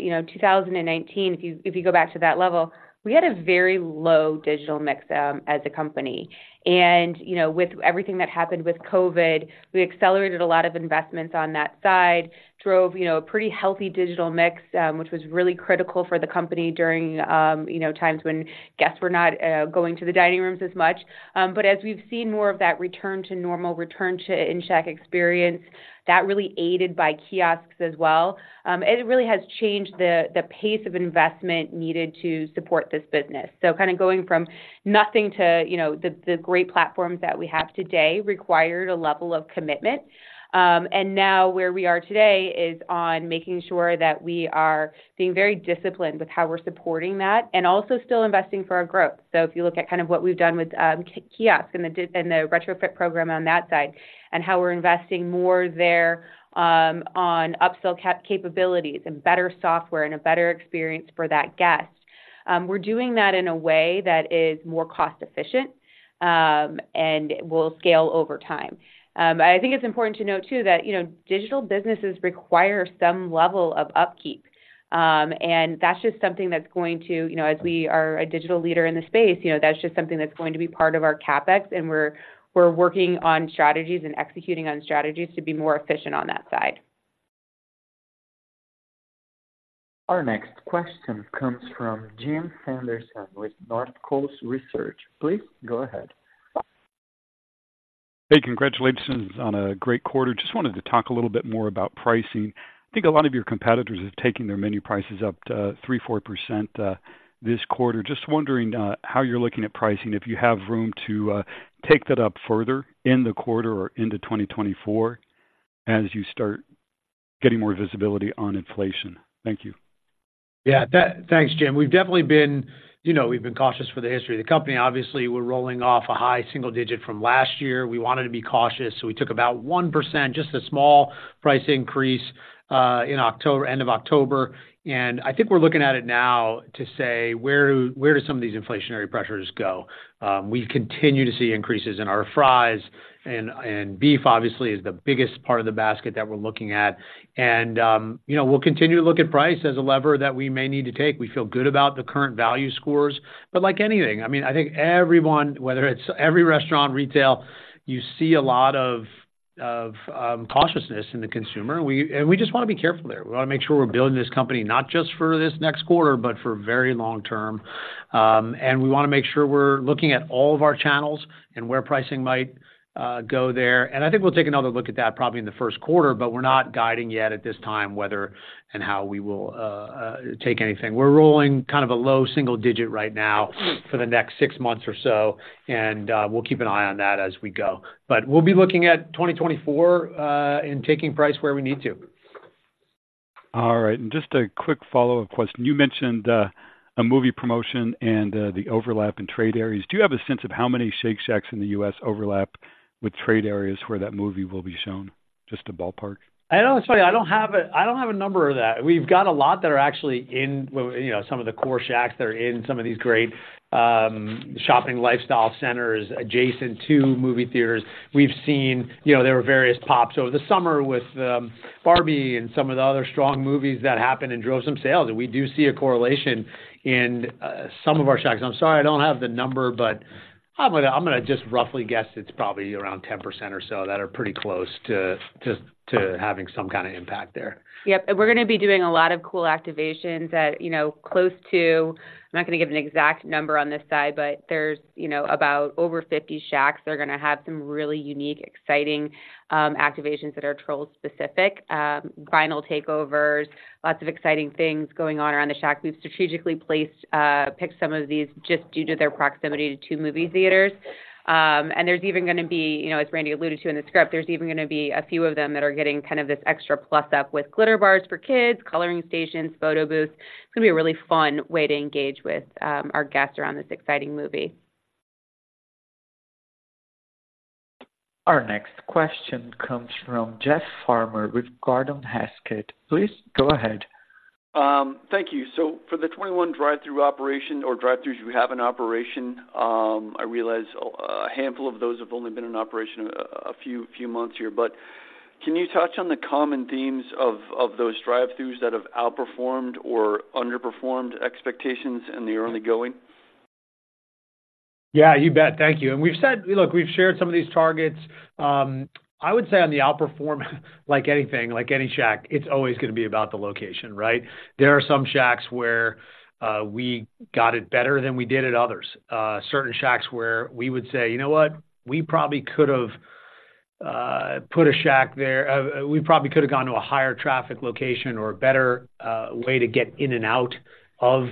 you know, 2019, if you go back to that level, we had a very low digital mix, as a company. And, you know, with everything that happened with COVID, we accelerated a lot of investments on that side, drove, you know, a pretty healthy digital mix, which was really critical for the company during, you know, times when guests were not going to the dining rooms as much. But as we've seen more of that return to normal, return to in-shack experience, that really aided by kiosks as well, it really has changed the pace of investment needed to support this business. So kind of going from nothing to, you know, the great platforms that we have today, required a level of commitment. And now where we are today is on making sure that we are being very disciplined with how we're supporting that, and also still investing for our growth. So if you look at kind of what we've done with kiosks and the retrofit program on that side, and how we're investing more there, on upsell capabilities and better software and a better experience for that guest, we're doing that in a way that is more cost efficient, and will scale over time. I think it's important to note, too, that, you know, digital businesses require some level of upkeep, and that's just something that's going to... You know, as we are a digital leader in the space, you know, that's just something that's going to be part of our CapEx, and we're working on strategies and executing on strategies to be more efficient on that side. Our next question comes from Jim Sanderson with North Coast Research. Please go ahead. Hey, congratulations on a great quarter. Just wanted to talk a little bit more about pricing. I think a lot of your competitors are taking their menu prices up to 3%-4% this quarter. Just wondering how you're looking at pricing, if you have room to take that up further in the quarter or into 2024 as you start getting more visibility on inflation? Thank you. Yeah, thanks, Jim. We've definitely been, you know, we've been cautious for the history of the company. Obviously, we're rolling off a high single-digit from last year. We wanted to be cautious, so we took about 1%, just a small price increase, in October, end of October. And I think we're looking at it now to say, where do some of these inflationary pressures go? We continue to see increases in our fries and beef, obviously, is the biggest part of the basket that we're looking at. And, you know, we'll continue to look at price as a lever that we may need to take. We feel good about the current value scores, but like anything, I mean, I think everyone, whether it's every restaurant, retail, you see a lot of cautiousness in the consumer. And we just want to be careful there. We want to make sure we're building this company not just for this next quarter, but for very long term. And we want to make sure we're looking at all of our channels and where pricing might go there. And I think we'll take another look at that probably in the first quarter, but we're not guiding yet at this time, whether and how we will take anything. We're rolling kind of a low single digit right now for the next six months or so, and we'll keep an eye on that as we go. But we'll be looking at 2024 and taking price where we need to. All right. Just a quick follow-up question. You mentioned a movie promotion and the overlap in trade areas. Do you have a sense of how many Shake Shacks in the U.S. overlap with trade areas where that movie will be shown? Just a ballpark. I know. It's funny. I don't have a number for that. We've got a lot that are actually in, well, you know, some of the core Shacks that are in some of these great shopping lifestyle centers adjacent to movie theaters. We've seen... You know, there were various pops over the summer with Barbie and some of the other strong movies that happened and drove some sales, and we do see a correlation in some of our Shacks. I'm sorry, I don't have the number, but I'm gonna just roughly guess it's probably around 10% or so that are pretty close to having some kind of impact there. Yep. We're gonna be doing a lot of cool activations at, you know, close to, I'm not going to give an exact number on this side, but there's, you know, about over 50 Shacks that are gonna have some really unique, exciting, activations that are Trolls specific. Vinyl takeovers, lots of exciting things going on around the Shack. We've strategically placed, picked some of these just due to their proximity to 2 movie theaters. And there's even gonna be, you know, as Randy alluded to in the script, there's even gonna be a few of them that are getting kind of this extra plus up with glitter bars for kids, coloring stations, photo booth. It's gonna be a really fun way to engage with, our guests around this exciting movie. Our next question comes from Jeff Farmer with Gordon Haskett. Please go ahead. Thank you. So for the 21 drive-through operation or drive-throughs, you have in operation, I realize a handful of those have only been in operation a few months here. But can you touch on the common themes of those drive-throughs that have outperformed or underperformed expectations in the early going? Yeah, you bet. Thank you. And we've said. Look, we've shared some of these targets. I would say on the outperform, like anything, like any Shack, it's always gonna be about the location, right? There are some Shacks where we got it better than we did at others. Certain Shacks where we would say, "You know what? We probably could have put a Shack there..." We probably could have gone to a higher traffic location or a better way to get in and out of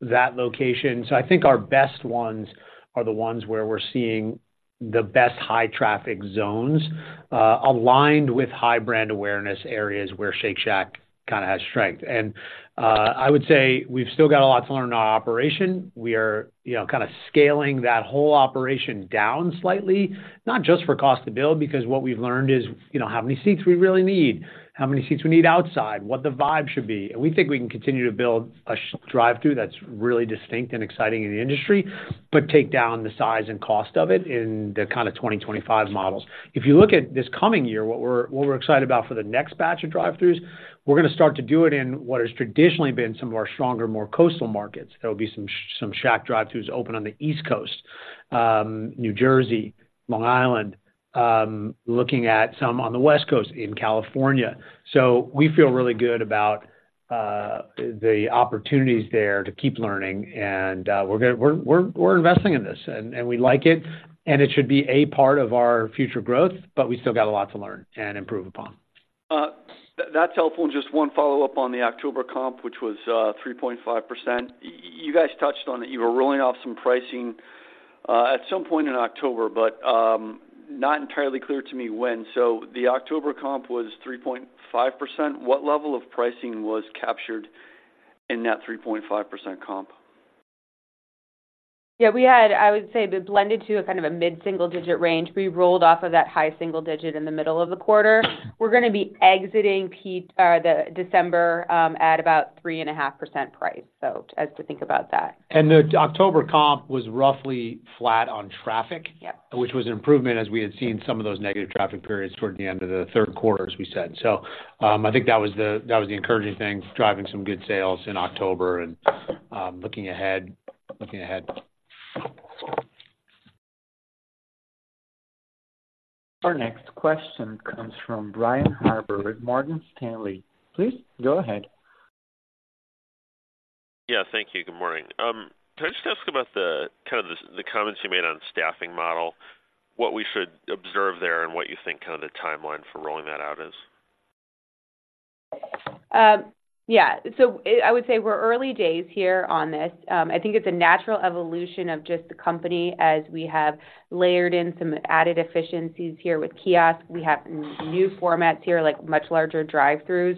that location. So I think our best ones are the ones where we're seeing the best high traffic zones aligned with high brand awareness areas where Shake Shack kinda has strength. And I would say we've still got a lot to learn on our operation. We are, you know, kind of scaling that whole operation down slightly, not just for cost to build, because what we've learned is, you know, how many seats we really need, how many seats we need outside, what the vibe should be. And we think we can continue to build a Shack drive-through that's really distinct and exciting in the industry, but take down the size and cost of it in the kind of 2025 models. If you look at this coming year, what we're excited about for the next batch of drive-throughs, we're gonna start to do it in what has traditionally been some of our stronger, more coastal markets. There will be some Shack drive-throughs open on the East Coast, New Jersey, Long Island, looking at some on the West Coast in California. So we feel really good about the opportunities there to keep learning, and we're investing in this, and we like it, and it should be a part of our future growth, but we still got a lot to learn and improve upon. That, that's helpful. And just one follow-up on the October comp, which was 3.5%. You guys touched on it. You were rolling off some pricing at some point in October, but not entirely clear to me when. So the October comp was 3.5%. What level of pricing was captured in that 3.5% comp? Yeah, we had, I would say, it blended to a kind of a mid-single-digit range. We rolled off of that high single digit in the middle of the quarter. We're gonna be exiting peak the December at about 3.5% price. So as to think about that. The October comp was roughly flat on traffic. Yep. - which was an improvement, as we had seen some of those negative traffic periods toward the end of the third quarter, as we said. So, I think that was the, that was the encouraging thing, driving some good sales in October and, looking ahead, looking ahead. Our next question comes from Brian Harbour with Morgan Stanley. Please go ahead. Yeah, thank you. Good morning. Can I just ask about the kind of comments you made on staffing model, what we should observe there and what you think kind of the timeline for rolling that out is? Yeah. So I would say we're early days here on this. I think it's a natural evolution of just the company as we have layered in some added efficiencies here with kiosk. We have new formats here, like much larger drive-throughs.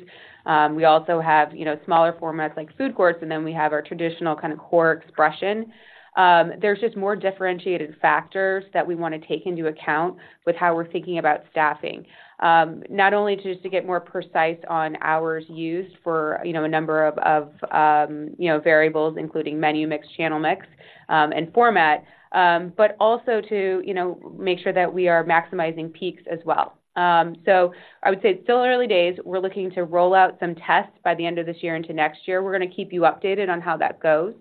We also have, you know, smaller formats like food courts, and then we have our traditional kind of core expression. There's just more differentiated factors that we wanna take into account with how we're thinking about staffing. Not only to get more precise on hours used for, you know, a number of you know, variables, including menu mix, channel mix, and format, but also to, you know, make sure that we are maximizing peaks as well. So I would say it's still early days. We're looking to roll out some tests by the end of this year into next year. We're gonna keep you updated on how that goes,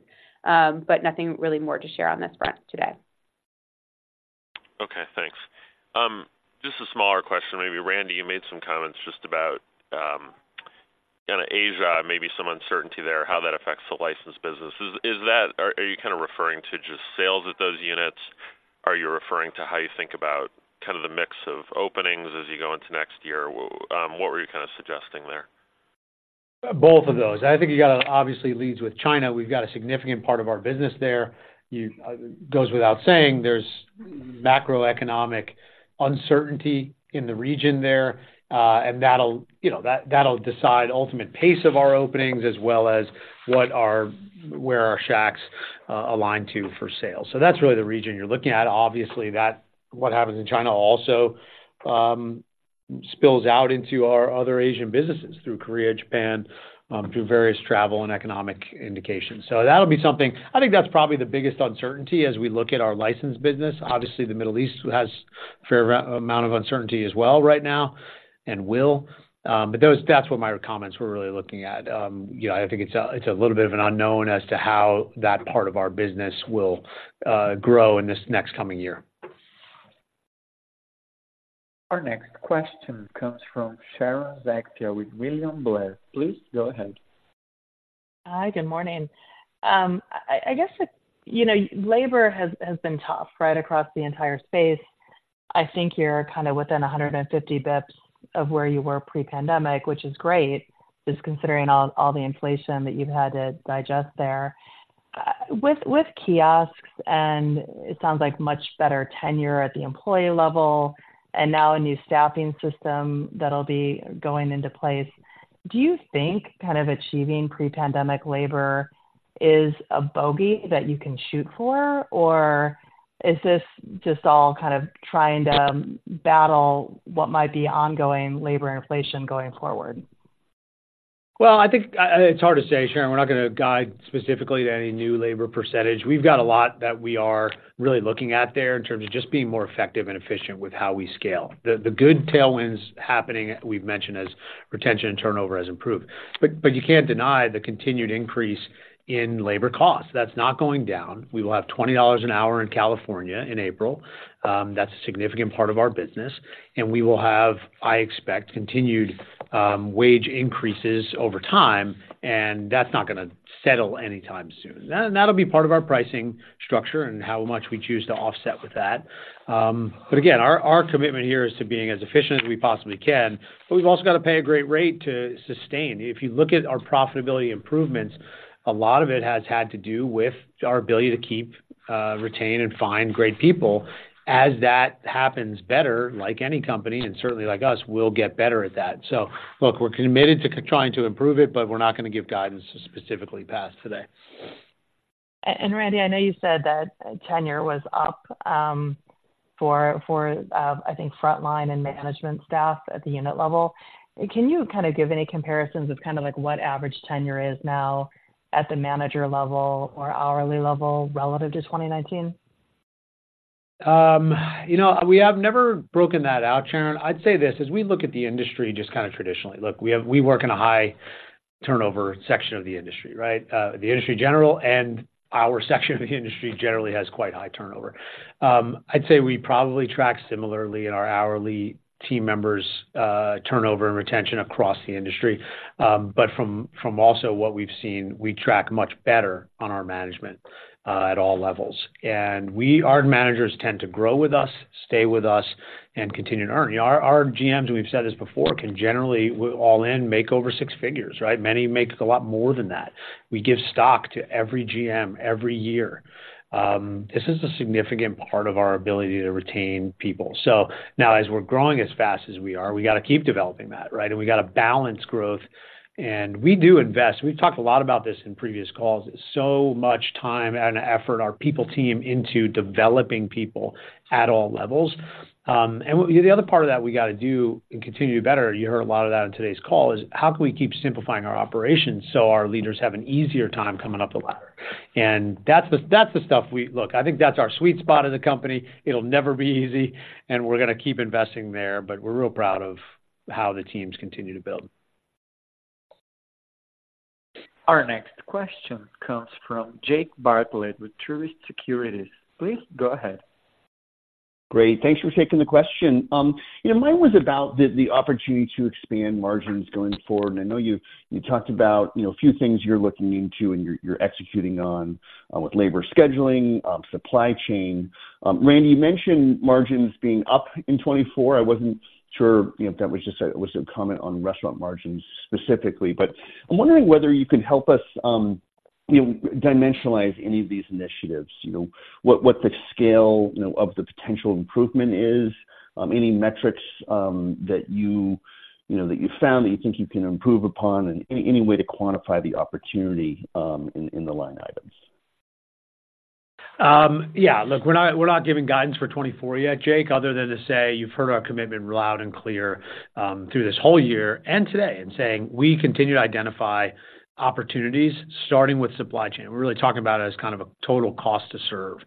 but nothing really more to share on this front today. Okay, thanks. Just a smaller question maybe. Randy, you made some comments just about, kind of Asia, maybe some uncertainty there, how that affects the licensed business. Is that... Are you kind of referring to just sales at those units? Are you referring to how you think about kind of the mix of openings as you go into next year? What were you kind of suggesting there? Both of those. I think you got to, obviously, leads with China. We've got a significant part of our business there. You goes without saying, there's macroeconomic uncertainty in the region there, and that'll, you know, that, that'll decide ultimate pace of our openings, as well as what our, where our Shacks align to for sales. So that's really the region you're looking at. Obviously, that, what happens in China also spills out into our other Asian businesses through Korea, Japan, through various travel and economic indications. So that'll be something. I think that's probably the biggest uncertainty as we look at our licensed business. Obviously, the Middle East has a fair amount of uncertainty as well right now and will. but those, that's what my comments were really looking at. You know, I think it's a little bit of an unknown as to how that part of our business will grow in this next coming year. Our next question comes from Sharon Zackfia with William Blair. Please go ahead. Hi, good morning. I guess it's, you know, labor has been tough right across the entire space. I think you're kind of within 150 basis points of where you were pre-pandemic, which is great, just considering all the inflation that you've had to digest there. With kiosks, and it sounds like much better tenure at the employee level, and now a new staffing system that'll be going into place, do you think kind of achieving pre-pandemic labor is a bogey that you can shoot for? Or is this just all kind of trying to battle what might be ongoing labor inflation going forward? Well, I think, it's hard to say, Sharon. We're not gonna guide specifically to any new labor percentage. We've got a lot that we are really looking at there in terms of just being more effective and efficient with how we scale. The good tailwinds happening, we've mentioned, is retention and turnover has improved. But you can't deny the continued increase in labor costs. That's not going down. We will have $20 an hour in California in April. That's a significant part of our business, and we will have, I expect, continued wage increases over time, and that's not gonna settle anytime soon. That'll be part of our pricing structure and how much we choose to offset with that. But again, our commitment here is to being as efficient as we possibly can, but we've also got to pay a great rate to sustain. If you look at our profitability improvements, a lot of it has had to do with our ability to keep, retain and find great people. As that happens better, like any company and certainly like us, we'll get better at that. So look, we're committed to trying to improve it, but we're not gonna give guidance to specifically past today. Randy, I know you said that tenure was up for frontline and management staff at the unit level. Can you kind of give any comparisons of kind of like what average tenure is now at the manager level or hourly level relative to 2019? You know, we have never broken that out, Sharon. I'd say this, as we look at the industry just kind of traditionally. Look, we work in a high turnover section of the industry, right? The industry general and our section of the industry generally has quite high turnover. I'd say we probably track similarly in our hourly team members' turnover and retention across the industry. But from also what we've seen, we track much better on our management at all levels. Our managers tend to grow with us, stay with us, and continue to earn. Our GMs, we've said this before, can generally, all in, make over six figures, right? Many make a lot more than that. We give stock to every GM every year. This is a significant part of our ability to retain people. So now, as we're growing as fast as we are, we got to keep developing that, right? And we got to balance growth. And we do invest. We've talked a lot about this in previous calls, so much time and effort, our people team, into developing people at all levels. And the other part of that we got to do and continue to do better, you heard a lot of that in today's call, is how can we keep simplifying our operations so our leaders have an easier time coming up the ladder? And that's the, that's the stuff we, look, I think that's our sweet spot of the company. It'll never be easy, and we're gonna keep investing there, but we're real proud of how the teams continue to build. Our next question comes from Jake Bartlett with Truist Securities. Please go ahead. Great. Thanks for taking the question. You know, mine was about the opportunity to expand margins going forward. I know you talked about, you know, a few things you're looking into and you're executing on with labor scheduling, supply chain. Randy, you mentioned margins being up in 2024. I wasn't sure if that was just a comment on restaurant margins specifically, but I'm wondering whether you could help us, you know, dimensionalize any of these initiatives, you know, what the scale of the potential improvement is, any metrics that you know that you found that you think you can improve upon, and any way to quantify the opportunity in the line items? Yeah, look, we're not, we're not giving guidance for 2024 yet, Jake, other than to say you've heard our commitment loud and clear through this whole year and today in saying we continue to identify opportunities, starting with supply chain. We're really talking about it as kind of a total cost to serve,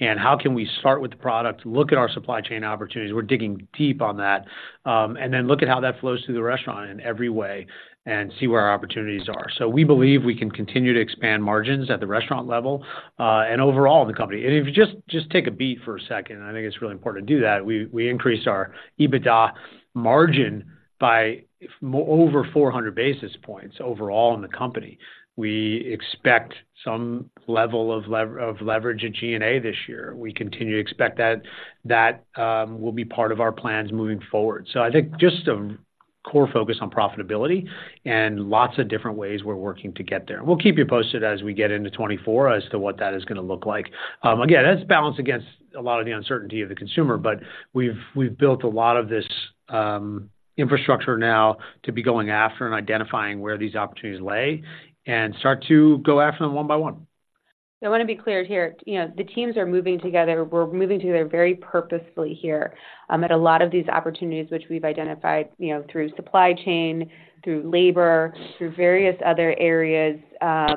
and how can we start with the product, look at our supply chain opportunities, we're digging deep on that, and then look at how that flows through the restaurant in every way and see where our opportunities are. So we believe we can continue to expand margins at the restaurant level and overall in the company. And if you just, just take a beat for a second, and I think it's really important to do that, we increased our EBITDA margin by over 400 basis points overall in the company. We expect some level of leverage at G&A this year. We continue to expect that will be part of our plans moving forward. So I think just a core focus on profitability and lots of different ways we're working to get there. We'll keep you posted as we get into 2024 as to what that is gonna look like. Again, that's balanced against a lot of the uncertainty of the consumer, but we've built a lot of this infrastructure now to be going after and identifying where these opportunities lay and start to go after them one by one. I want to be clear here, you know, the teams are moving together. We're moving together very purposefully here at a lot of these opportunities which we've identified, you know, through supply chain, through labor, through various other areas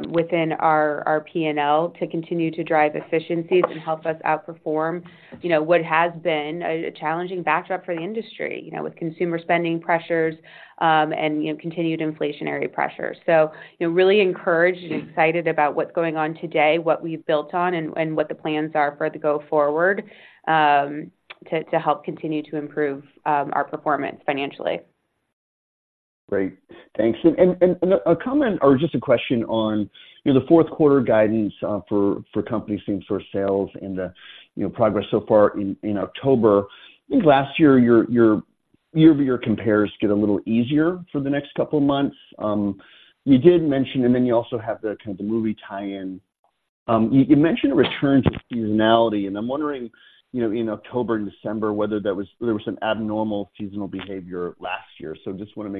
within our P&L, to continue to drive efficiencies and help us outperform, you know, what has been a challenging backdrop for the industry, you know, with consumer spending pressures and, you know, continued inflationary pressures. So you know, really encouraged and excited about what's going on today, what we've built on, and what the plans are for the go forward to help continue to improve our performance financially.... Great, thanks. And a comment or just a question on, you know, the fourth quarter guidance for company same store sales and the, you know, progress so far in October. I think last year, your year-over-year compares get a little easier for the next couple of months. You did mention, and then you also have the kind of the movie tie-in. You mentioned a return to seasonality, and I'm wondering, you know, in October and December, whether there was some abnormal seasonal behavior last year. So just want to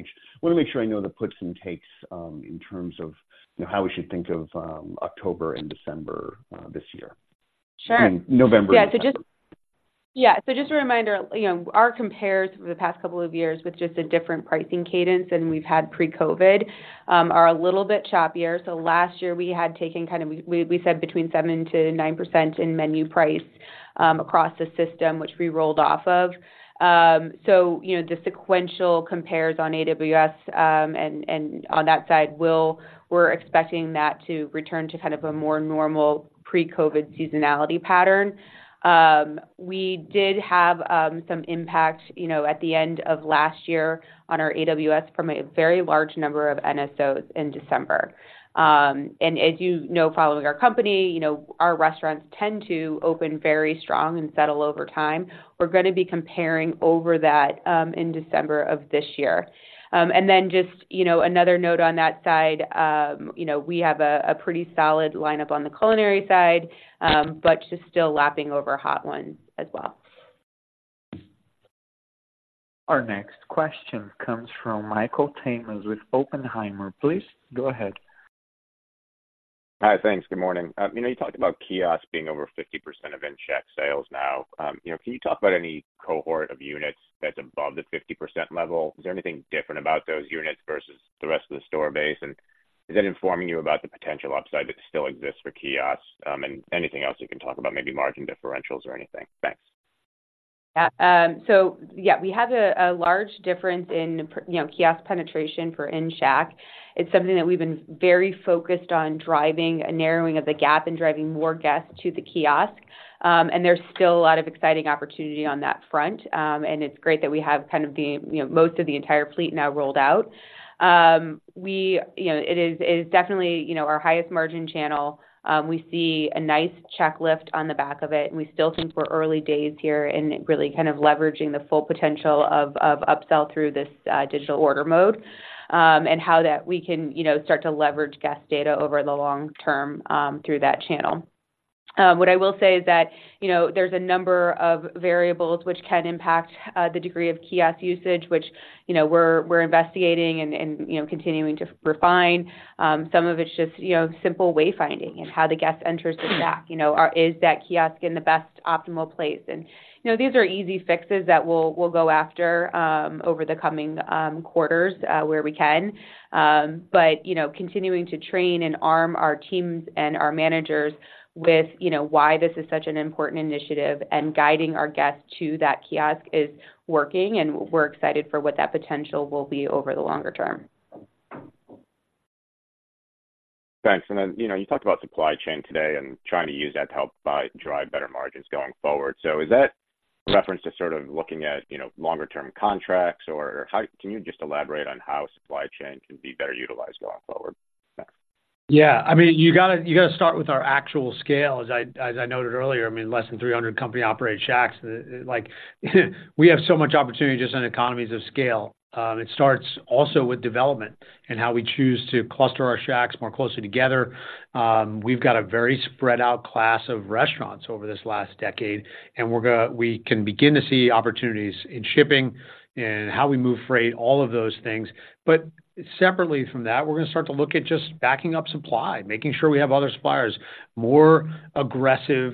make sure I know the puts and takes in terms of, you know, how we should think of October and December this year. Sure. And November. Yeah. So just a reminder, you know, our compares for the past couple of years with just a different pricing cadence than we've had pre-COVID are a little bit choppier. So last year we had taken kind of, we said between 7%-9% in menu price across the system, which we rolled off of. So, you know, the sequential compares on AWS and on that side, we're expecting that to return to kind of a more normal pre-COVID seasonality pattern. We did have some impact, you know, at the end of last year on our AWS from a very large number of NSOs in December. And as you know, following our company, you know, our restaurants tend to open very strong and settle over time. We're going to be comparing over that, in December of this year. And then just, you know, another note on that side, you know, we have a pretty solid lineup on the culinary side, but just still lapping over Hot Ones as well. Our next question comes from Michael Tamas with Oppenheimer. Please go ahead. Hi, thanks. Good morning. You know, you talked about kiosks being over 50% of in-Shack sales now. You know, can you talk about any cohort of units that's above the 50% level? Is there anything different about those units versus the rest of the store base? And is that informing you about the potential upside that still exists for kiosks? And anything else you can talk about, maybe margin differentials or anything? Thanks. Yeah. So yeah, we have a large difference in per, you know, kiosk penetration for in Shack. It's something that we've been very focused on driving a narrowing of the gap and driving more guests to the kiosk. And there's still a lot of exciting opportunity on that front. And it's great that we have kind of the, you know, most of the entire fleet now rolled out. We, you know, it is definitely, you know, our highest margin channel. We see a nice check lift on the back of it, and we still think we're early days here and really kind of leveraging the full potential of upsell through this digital order mode, and how that we can, you know, start to leverage guest data over the long term, through that channel. What I will say is that, you know, there's a number of variables which can impact the degree of kiosk usage, which, you know, we're investigating and continuing to refine. Some of it's just, you know, simple wayfinding and how the guest enters the Shack. You know, is that kiosk in the best optimal place? And, you know, these are easy fixes that we'll go after over the coming quarters, where we can. But, you know, continuing to train and arm our teams and our managers with, you know, why this is such an important initiative and guiding our guests to that kiosk is working, and we're excited for what that potential will be over the longer term. Thanks. And then, you know, you talked about supply chain today and trying to use that to help buy, drive better margins going forward. So is that reference to sort of looking at, you know, longer term contracts? Or how... Can you just elaborate on how supply chain can be better utilized going forward? Thanks. Yeah. I mean, you gotta, you gotta start with our actual scale, as I, as I noted earlier, I mean, less than 300 company-operated Shacks. Like, we have so much opportunity just on economies of scale. It starts also with development and how we choose to cluster our Shacks more closely together. We've got a very spread out class of restaurants over this last decade, and we're gonna, we can begin to see opportunities in shipping and how we move freight, all of those things. But separately from that, we're gonna start to look at just backing up supply, making sure we have other suppliers, more aggressive,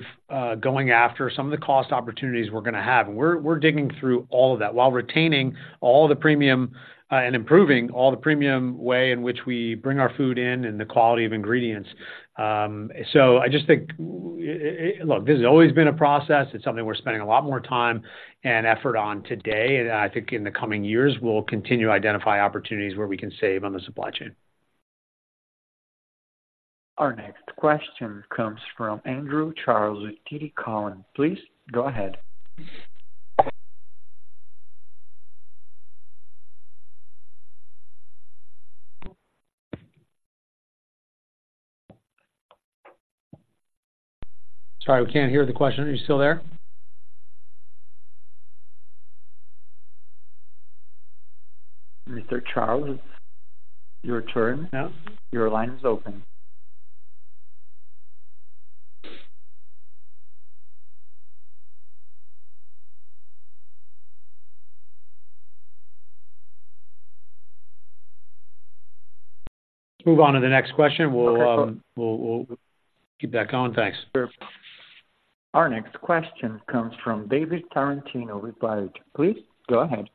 going after some of the cost opportunities we're gonna have. We're digging through all of that while retaining all the premium, and improving all the premium way in which we bring our food in and the quality of ingredients. So I just think, look, this has always been a process. It's something we're spending a lot more time and effort on today. And I think in the coming years, we'll continue to identify opportunities where we can save on the supply chain. Our next question comes from Andrew Charles with TD Cowen. Please go ahead. Sorry, we can't hear the question. Are you still there? Mr. Charles, it's your turn now. Your line is open. Move on to the next question. Okay. We'll keep that going. Thanks. Sure. Our next question comes from David Tarantino with Baird. Please go ahead.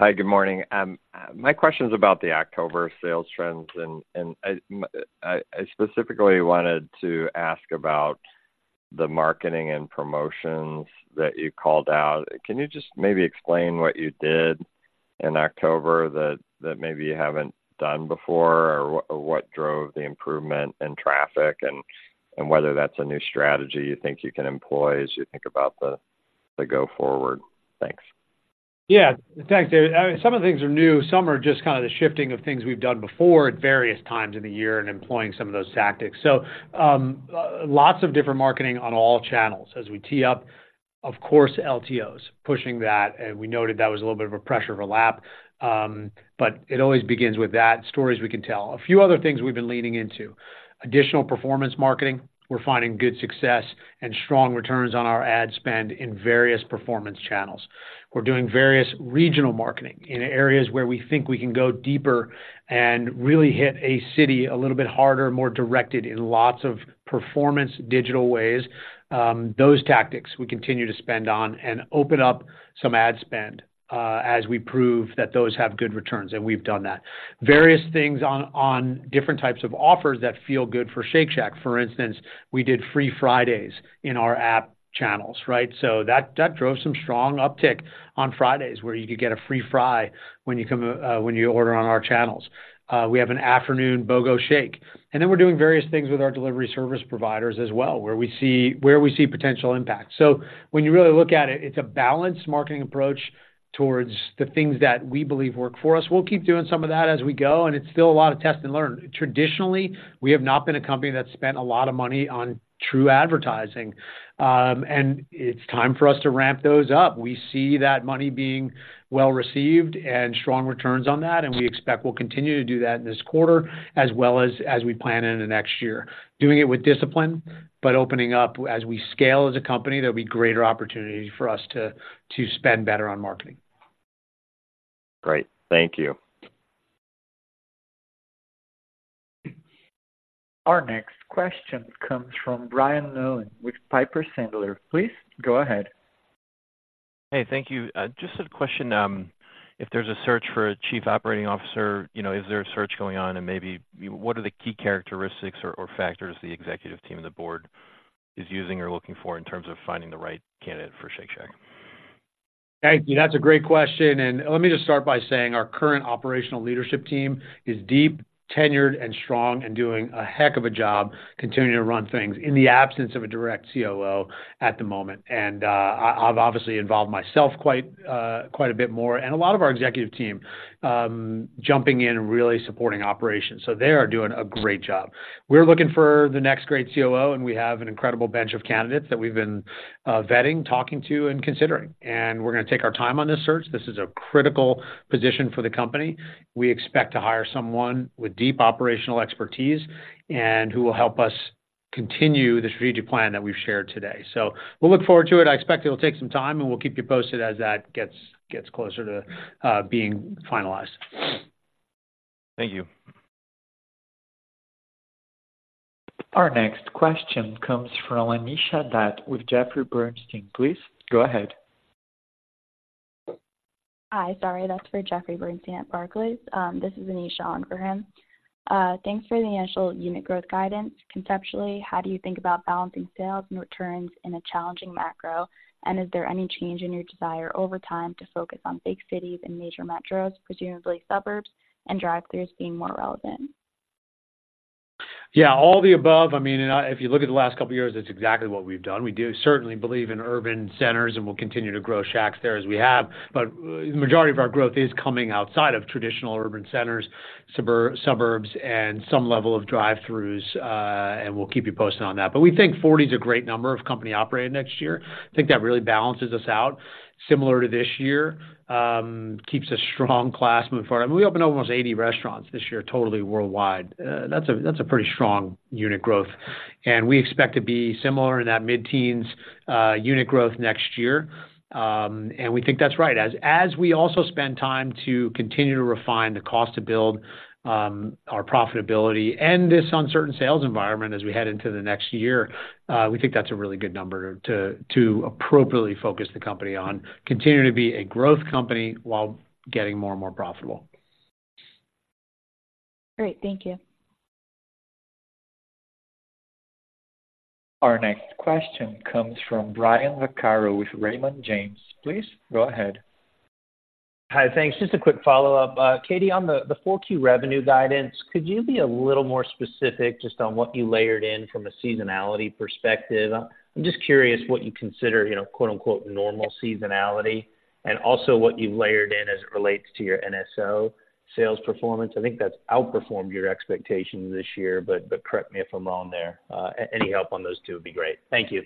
Hi, good morning. My question is about the October sales trends, and I specifically wanted to ask about the marketing and promotions that you called out. Can you just maybe explain what you did in October that maybe you haven't done before, or what drove the improvement in traffic and whether that's a new strategy you think you can employ as you think about the go forward? Thanks.... Yeah, thanks, Dave. I mean, some of the things are new, some are just kind of the shifting of things we've done before at various times in the year and employing some of those tactics. So, lots of different marketing on all channels as we tee up. Of course, LTOs, pushing that, and we noted that was a little bit of a pressure of a lap. But it always begins with that stories we can tell. A few other things we've been leaning into: additional performance marketing. We're finding good success and strong returns on our ad spend in various performance channels. We're doing various regional marketing in areas where we think we can go deeper and really hit a city a little bit harder, more directed in lots of performance, digital ways. Those tactics we continue to spend on and open up some ad spend, as we prove that those have good returns, and we've done that. Various things on different types of offers that feel good for Shake Shack. For instance, we did Free Fridays in our app channels, right? So that drove some strong uptick on Fridays, where you could get a free fry when you come, when you order on our channels. We have an afternoon BOGO shake, and then we're doing various things with our delivery service providers as well, where we see potential impact. So when you really look at it, it's a balanced marketing approach towards the things that we believe work for us. We'll keep doing some of that as we go, and it's still a lot of test and learn. Traditionally, we have not been a company that spent a lot of money on true advertising. And it's time for us to ramp those up. We see that money being well received and strong returns on that, and we expect we'll continue to do that in this quarter as well as we plan in the next year. Doing it with discipline, but opening up. As we scale as a company, there'll be greater opportunity for us to spend better on marketing. Great. Thank you. Our next question comes from Brian Mullan with Piper Sandler. Please go ahead. Hey, thank you. Just a question, if there's a search for a Chief Operating Officer, you know, is there a search going on? And maybe what are the key characteristics or, or factors the executive team and the board is using or looking for in terms of finding the right candidate for Shake Shack? Thank you. That's a great question, and let me just start by saying our current operational leadership team is deep, tenured, and strong, and doing a heck of a job continuing to run things in the absence of a direct COO at the moment. And, I've obviously involved myself quite a bit more, and a lot of our executive team jumping in and really supporting operations, so they are doing a great job. We're looking for the next great COO, and we have an incredible bench of candidates that we've been vetting, talking to, and considering, and we're going to take our time on this search. This is a critical position for the company. We expect to hire someone with deep operational expertise and who will help us continue the strategic plan that we've shared today. So we'll look forward to it. I expect it'll take some time, and we'll keep you posted as that gets closer to being finalized. Thank you. Our next question comes from Anisha Datt with Jeffrey Bernstein. Please go ahead. Hi, sorry, that's for Jeffrey Bernstein at Barclays. This is Anisha on for him. Thanks for the initial unit growth guidance. Conceptually, how do you think about balancing sales and returns in a challenging macro? And is there any change in your desire over time to focus on big cities and major metros, presumably suburbs and drive-throughs being more relevant? Yeah, all the above. I mean, if you look at the last couple of years, that's exactly what we've done. We do certainly believe in urban centers, and we'll continue to grow Shacks there as we have, but majority of our growth is coming outside of traditional urban centers, suburbs and some level of drive-throughs, and we'll keep you posted on that. But we think 40 is a great number of company operating next year. I think that really balances us out, similar to this year, keeps a strong class moving forward. I mean, we opened almost 80 restaurants this year, totally worldwide. That's a pretty strong unit growth, and we expect to be similar in that mid-teens unit growth next year. And we think that's right. As we also spend time to continue to refine the cost to build our profitability and this uncertain sales environment as we head into the next year, we think that's a really good number to appropriately focus the company on continuing to be a growth company while getting more and more profitable. Great. Thank you. Our next question comes from Brian Vaccaro with Raymond James. Please go ahead. Hi, thanks. Just a quick follow-up. Katie, on the 4Q revenue guidance, could you be a little more specific just on what you layered in from a seasonality perspective? I'm just curious what you consider, you know, quote, unquote, "normal seasonality," and also what you layered in as it relates to your NSO sales performance. I think that's outperformed your expectations this year, but correct me if I'm wrong there. Any help on those two would be great. Thank you.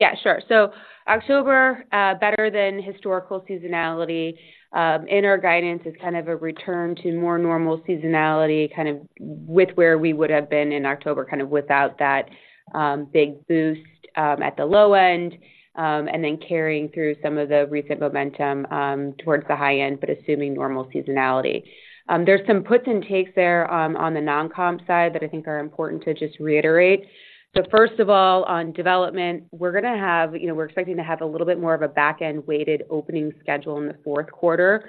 Yeah, sure. So October, better than historical seasonality. In our guidance is kind of a return to more normal seasonality, kind of with where we would have been in October, kind of without that, big boost, at the low end. And then carrying through some of the recent momentum, towards the high end, but assuming normal seasonality. There's some puts and takes there, on the non-comp side that I think are important to just reiterate. So first of all, on development, we're going to have... You know, we're expecting to have a little bit more of a back-end-weighted opening schedule in the fourth quarter.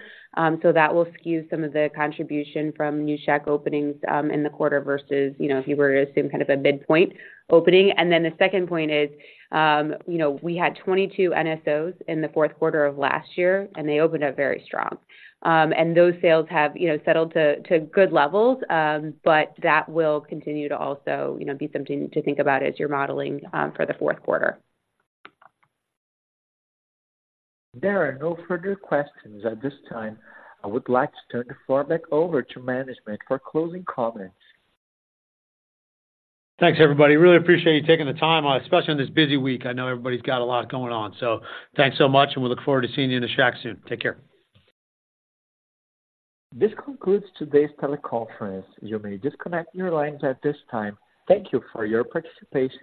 So that will skew some of the contribution from new Shack openings, in the quarter versus, you know, if you were to assume kind of a midpoint opening. Then the second point is, you know, we had 22 NSOs in the fourth quarter of last year, and they opened up very strong. Those sales have, you know, settled to, to good levels, but that will continue to also, you know, be something to think about as you're modeling, for the fourth quarter. There are no further questions at this time. I would like to turn the floor back over to management for closing comments. Thanks, everybody. Really appreciate you taking the time, especially on this busy week. I know everybody's got a lot going on, so thanks so much, and we look forward to seeing you in the Shack soon. Take care. This concludes today's teleconference. You may disconnect your lines at this time. Thank you for your participation.